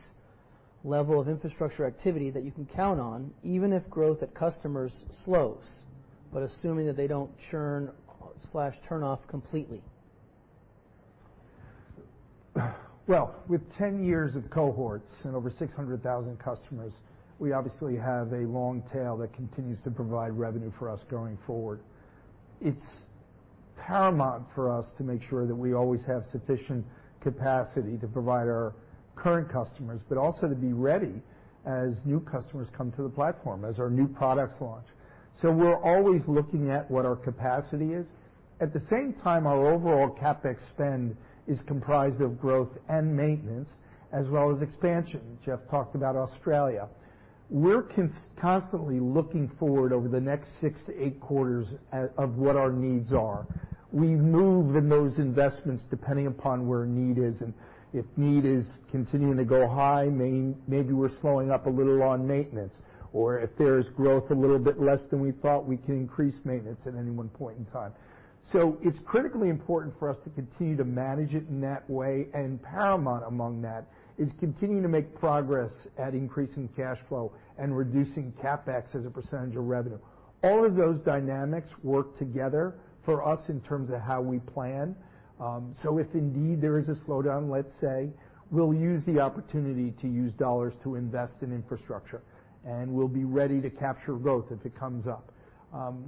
level of infrastructure activity that you can count on even if growth of customers slows, but assuming that they don't churn/turn off completely?
Well, with 10 years of cohorts and over 600,000 customers, we obviously have a long tail that continues to provide revenue for us going forward. It's paramount for us to make sure that we always have sufficient capacity to provide our current customers, but also to be ready as new customers come to the platform, as our new products launch. We're always looking at what our capacity is. At the same time, our overall CapEx spend is comprised of growth and maintenance as well as expansion. Jeff talked about Australia. We're constantly looking forward over the next 6-8 quarters at what our needs are. We move in those investments depending upon where need is, and if need is continuing to go high, maybe we're slowing up a little on maintenance. If there's growth a little bit less than we thought, we can increase maintenance at any one point in time. It's critically important for us to continue to manage it in that way, and paramount among that is continuing to make progress at increasing cash flow and reducing CapEx as a percentage of revenue. All of those dynamics work together for us in terms of how we plan. If indeed there is a slowdown, let's say, we'll use the opportunity to use dollars to invest in infrastructure, and we'll be ready to capture growth if it comes up.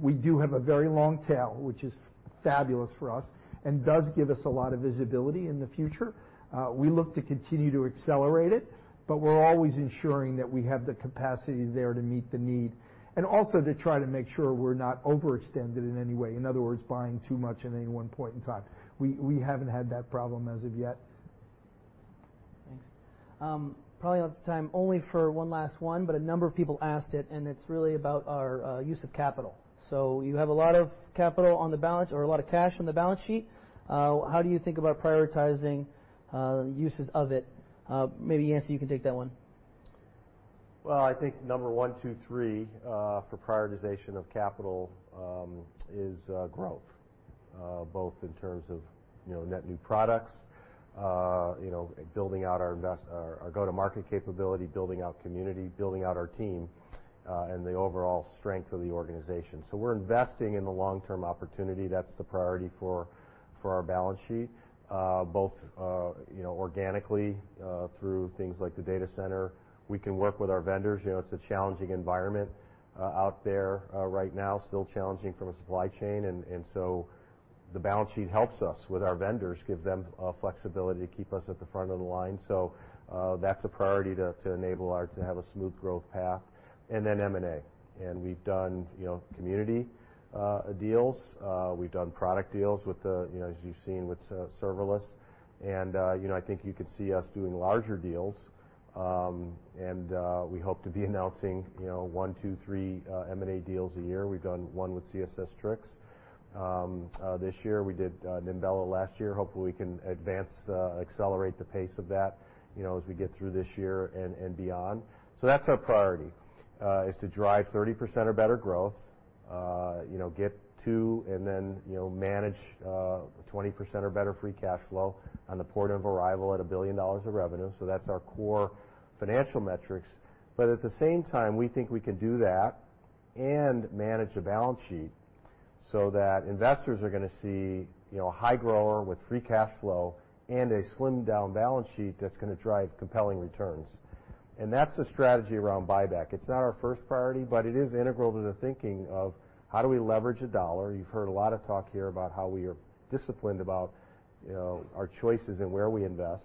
We do have a very long tail, which is fabulous for us and does give us a lot of visibility in the future. We look to continue to accelerate it, but we're always ensuring that we have the capacity there to meet the need, and also to try to make sure we're not overextended in any way, in other words, buying too much at any one point in time. We haven't had that problem as of yet.
Thanks. Probably have the time only for one last one, but a number of people asked it, and it's really about our use of capital. You have a lot of capital on the balance or a lot of cash on the balance sheet. How do you think about prioritizing uses of it? Maybe, Yancey, you can take that one.
Well, I think number one, two, three, for prioritization of capital is growth, both in terms of, you know, net new products, you know, building out our go-to-market capability, building out community, building out our team, and the overall strength of the organization. We're investing in the long-term opportunity. That's the priority for our balance sheet, both, you know, organically, through things like the data center. We can work with our vendors. You know, it's a challenging environment out there right now, still challenging from a supply chain. So the balance sheet helps us with our vendors, give them flexibility to keep us at the front of the line. That's a priority to enable to have a smooth growth path. M&A. We've done, you know, community deals. We've done product deals with the, you know, as you've seen with serverless. You know, I think you could see us doing larger deals. We hope to be announcing, you know, one, two, three M&A deals a year. We've done one with CSS-Tricks this year. We did Nimbella last year. Hopefully, we can accelerate the pace of that, you know, as we get through this year and beyond. That's our priority is to drive 30% or better growth, you know, get to and then, you know, manage 20% or better free cash flow upon arrival at $1 billion of revenue. That's our core financial metrics. At the same time, we think we can do that and manage the balance sheet so that investors are gonna see, you know, a high grower with free cash flow and a slimmed-down balance sheet that's gonna drive compelling returns. That's the strategy around buyback. It's not our first priority, but it is integral to the thinking of how do we leverage a dollar. You've heard a lot of talk here about how we are disciplined about, you know, our choices and where we invest,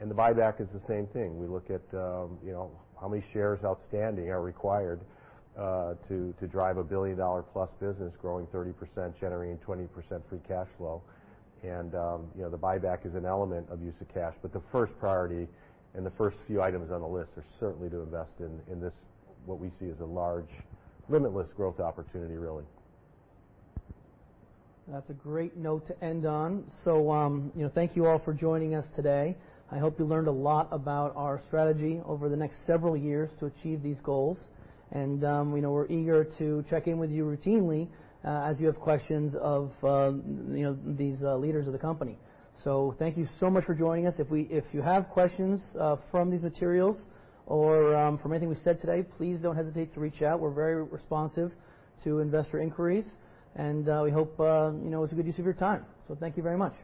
and the buyback is the same thing. We look at, you know, how many shares outstanding are required to drive a billion-dollar-plus business growing 30%, generating 20% free cash flow. You know, the buyback is an element of use of cash, but the first priority and the first few items on the list are certainly to invest in this, what we see as a large, limitless growth opportunity, really.
That's a great note to end on. You know, thank you all for joining us today. I hope you learned a lot about our strategy over the next several years to achieve these goals. We know we're eager to check in with you routinely, as you have questions of, you know, these, leaders of the company. Thank you so much for joining us. If you have questions, from these materials or, from anything we've said today, please don't hesitate to reach out. We're very responsive to investor inquiries, and, we hope, you know, it's a good use of your time. Thank you very much.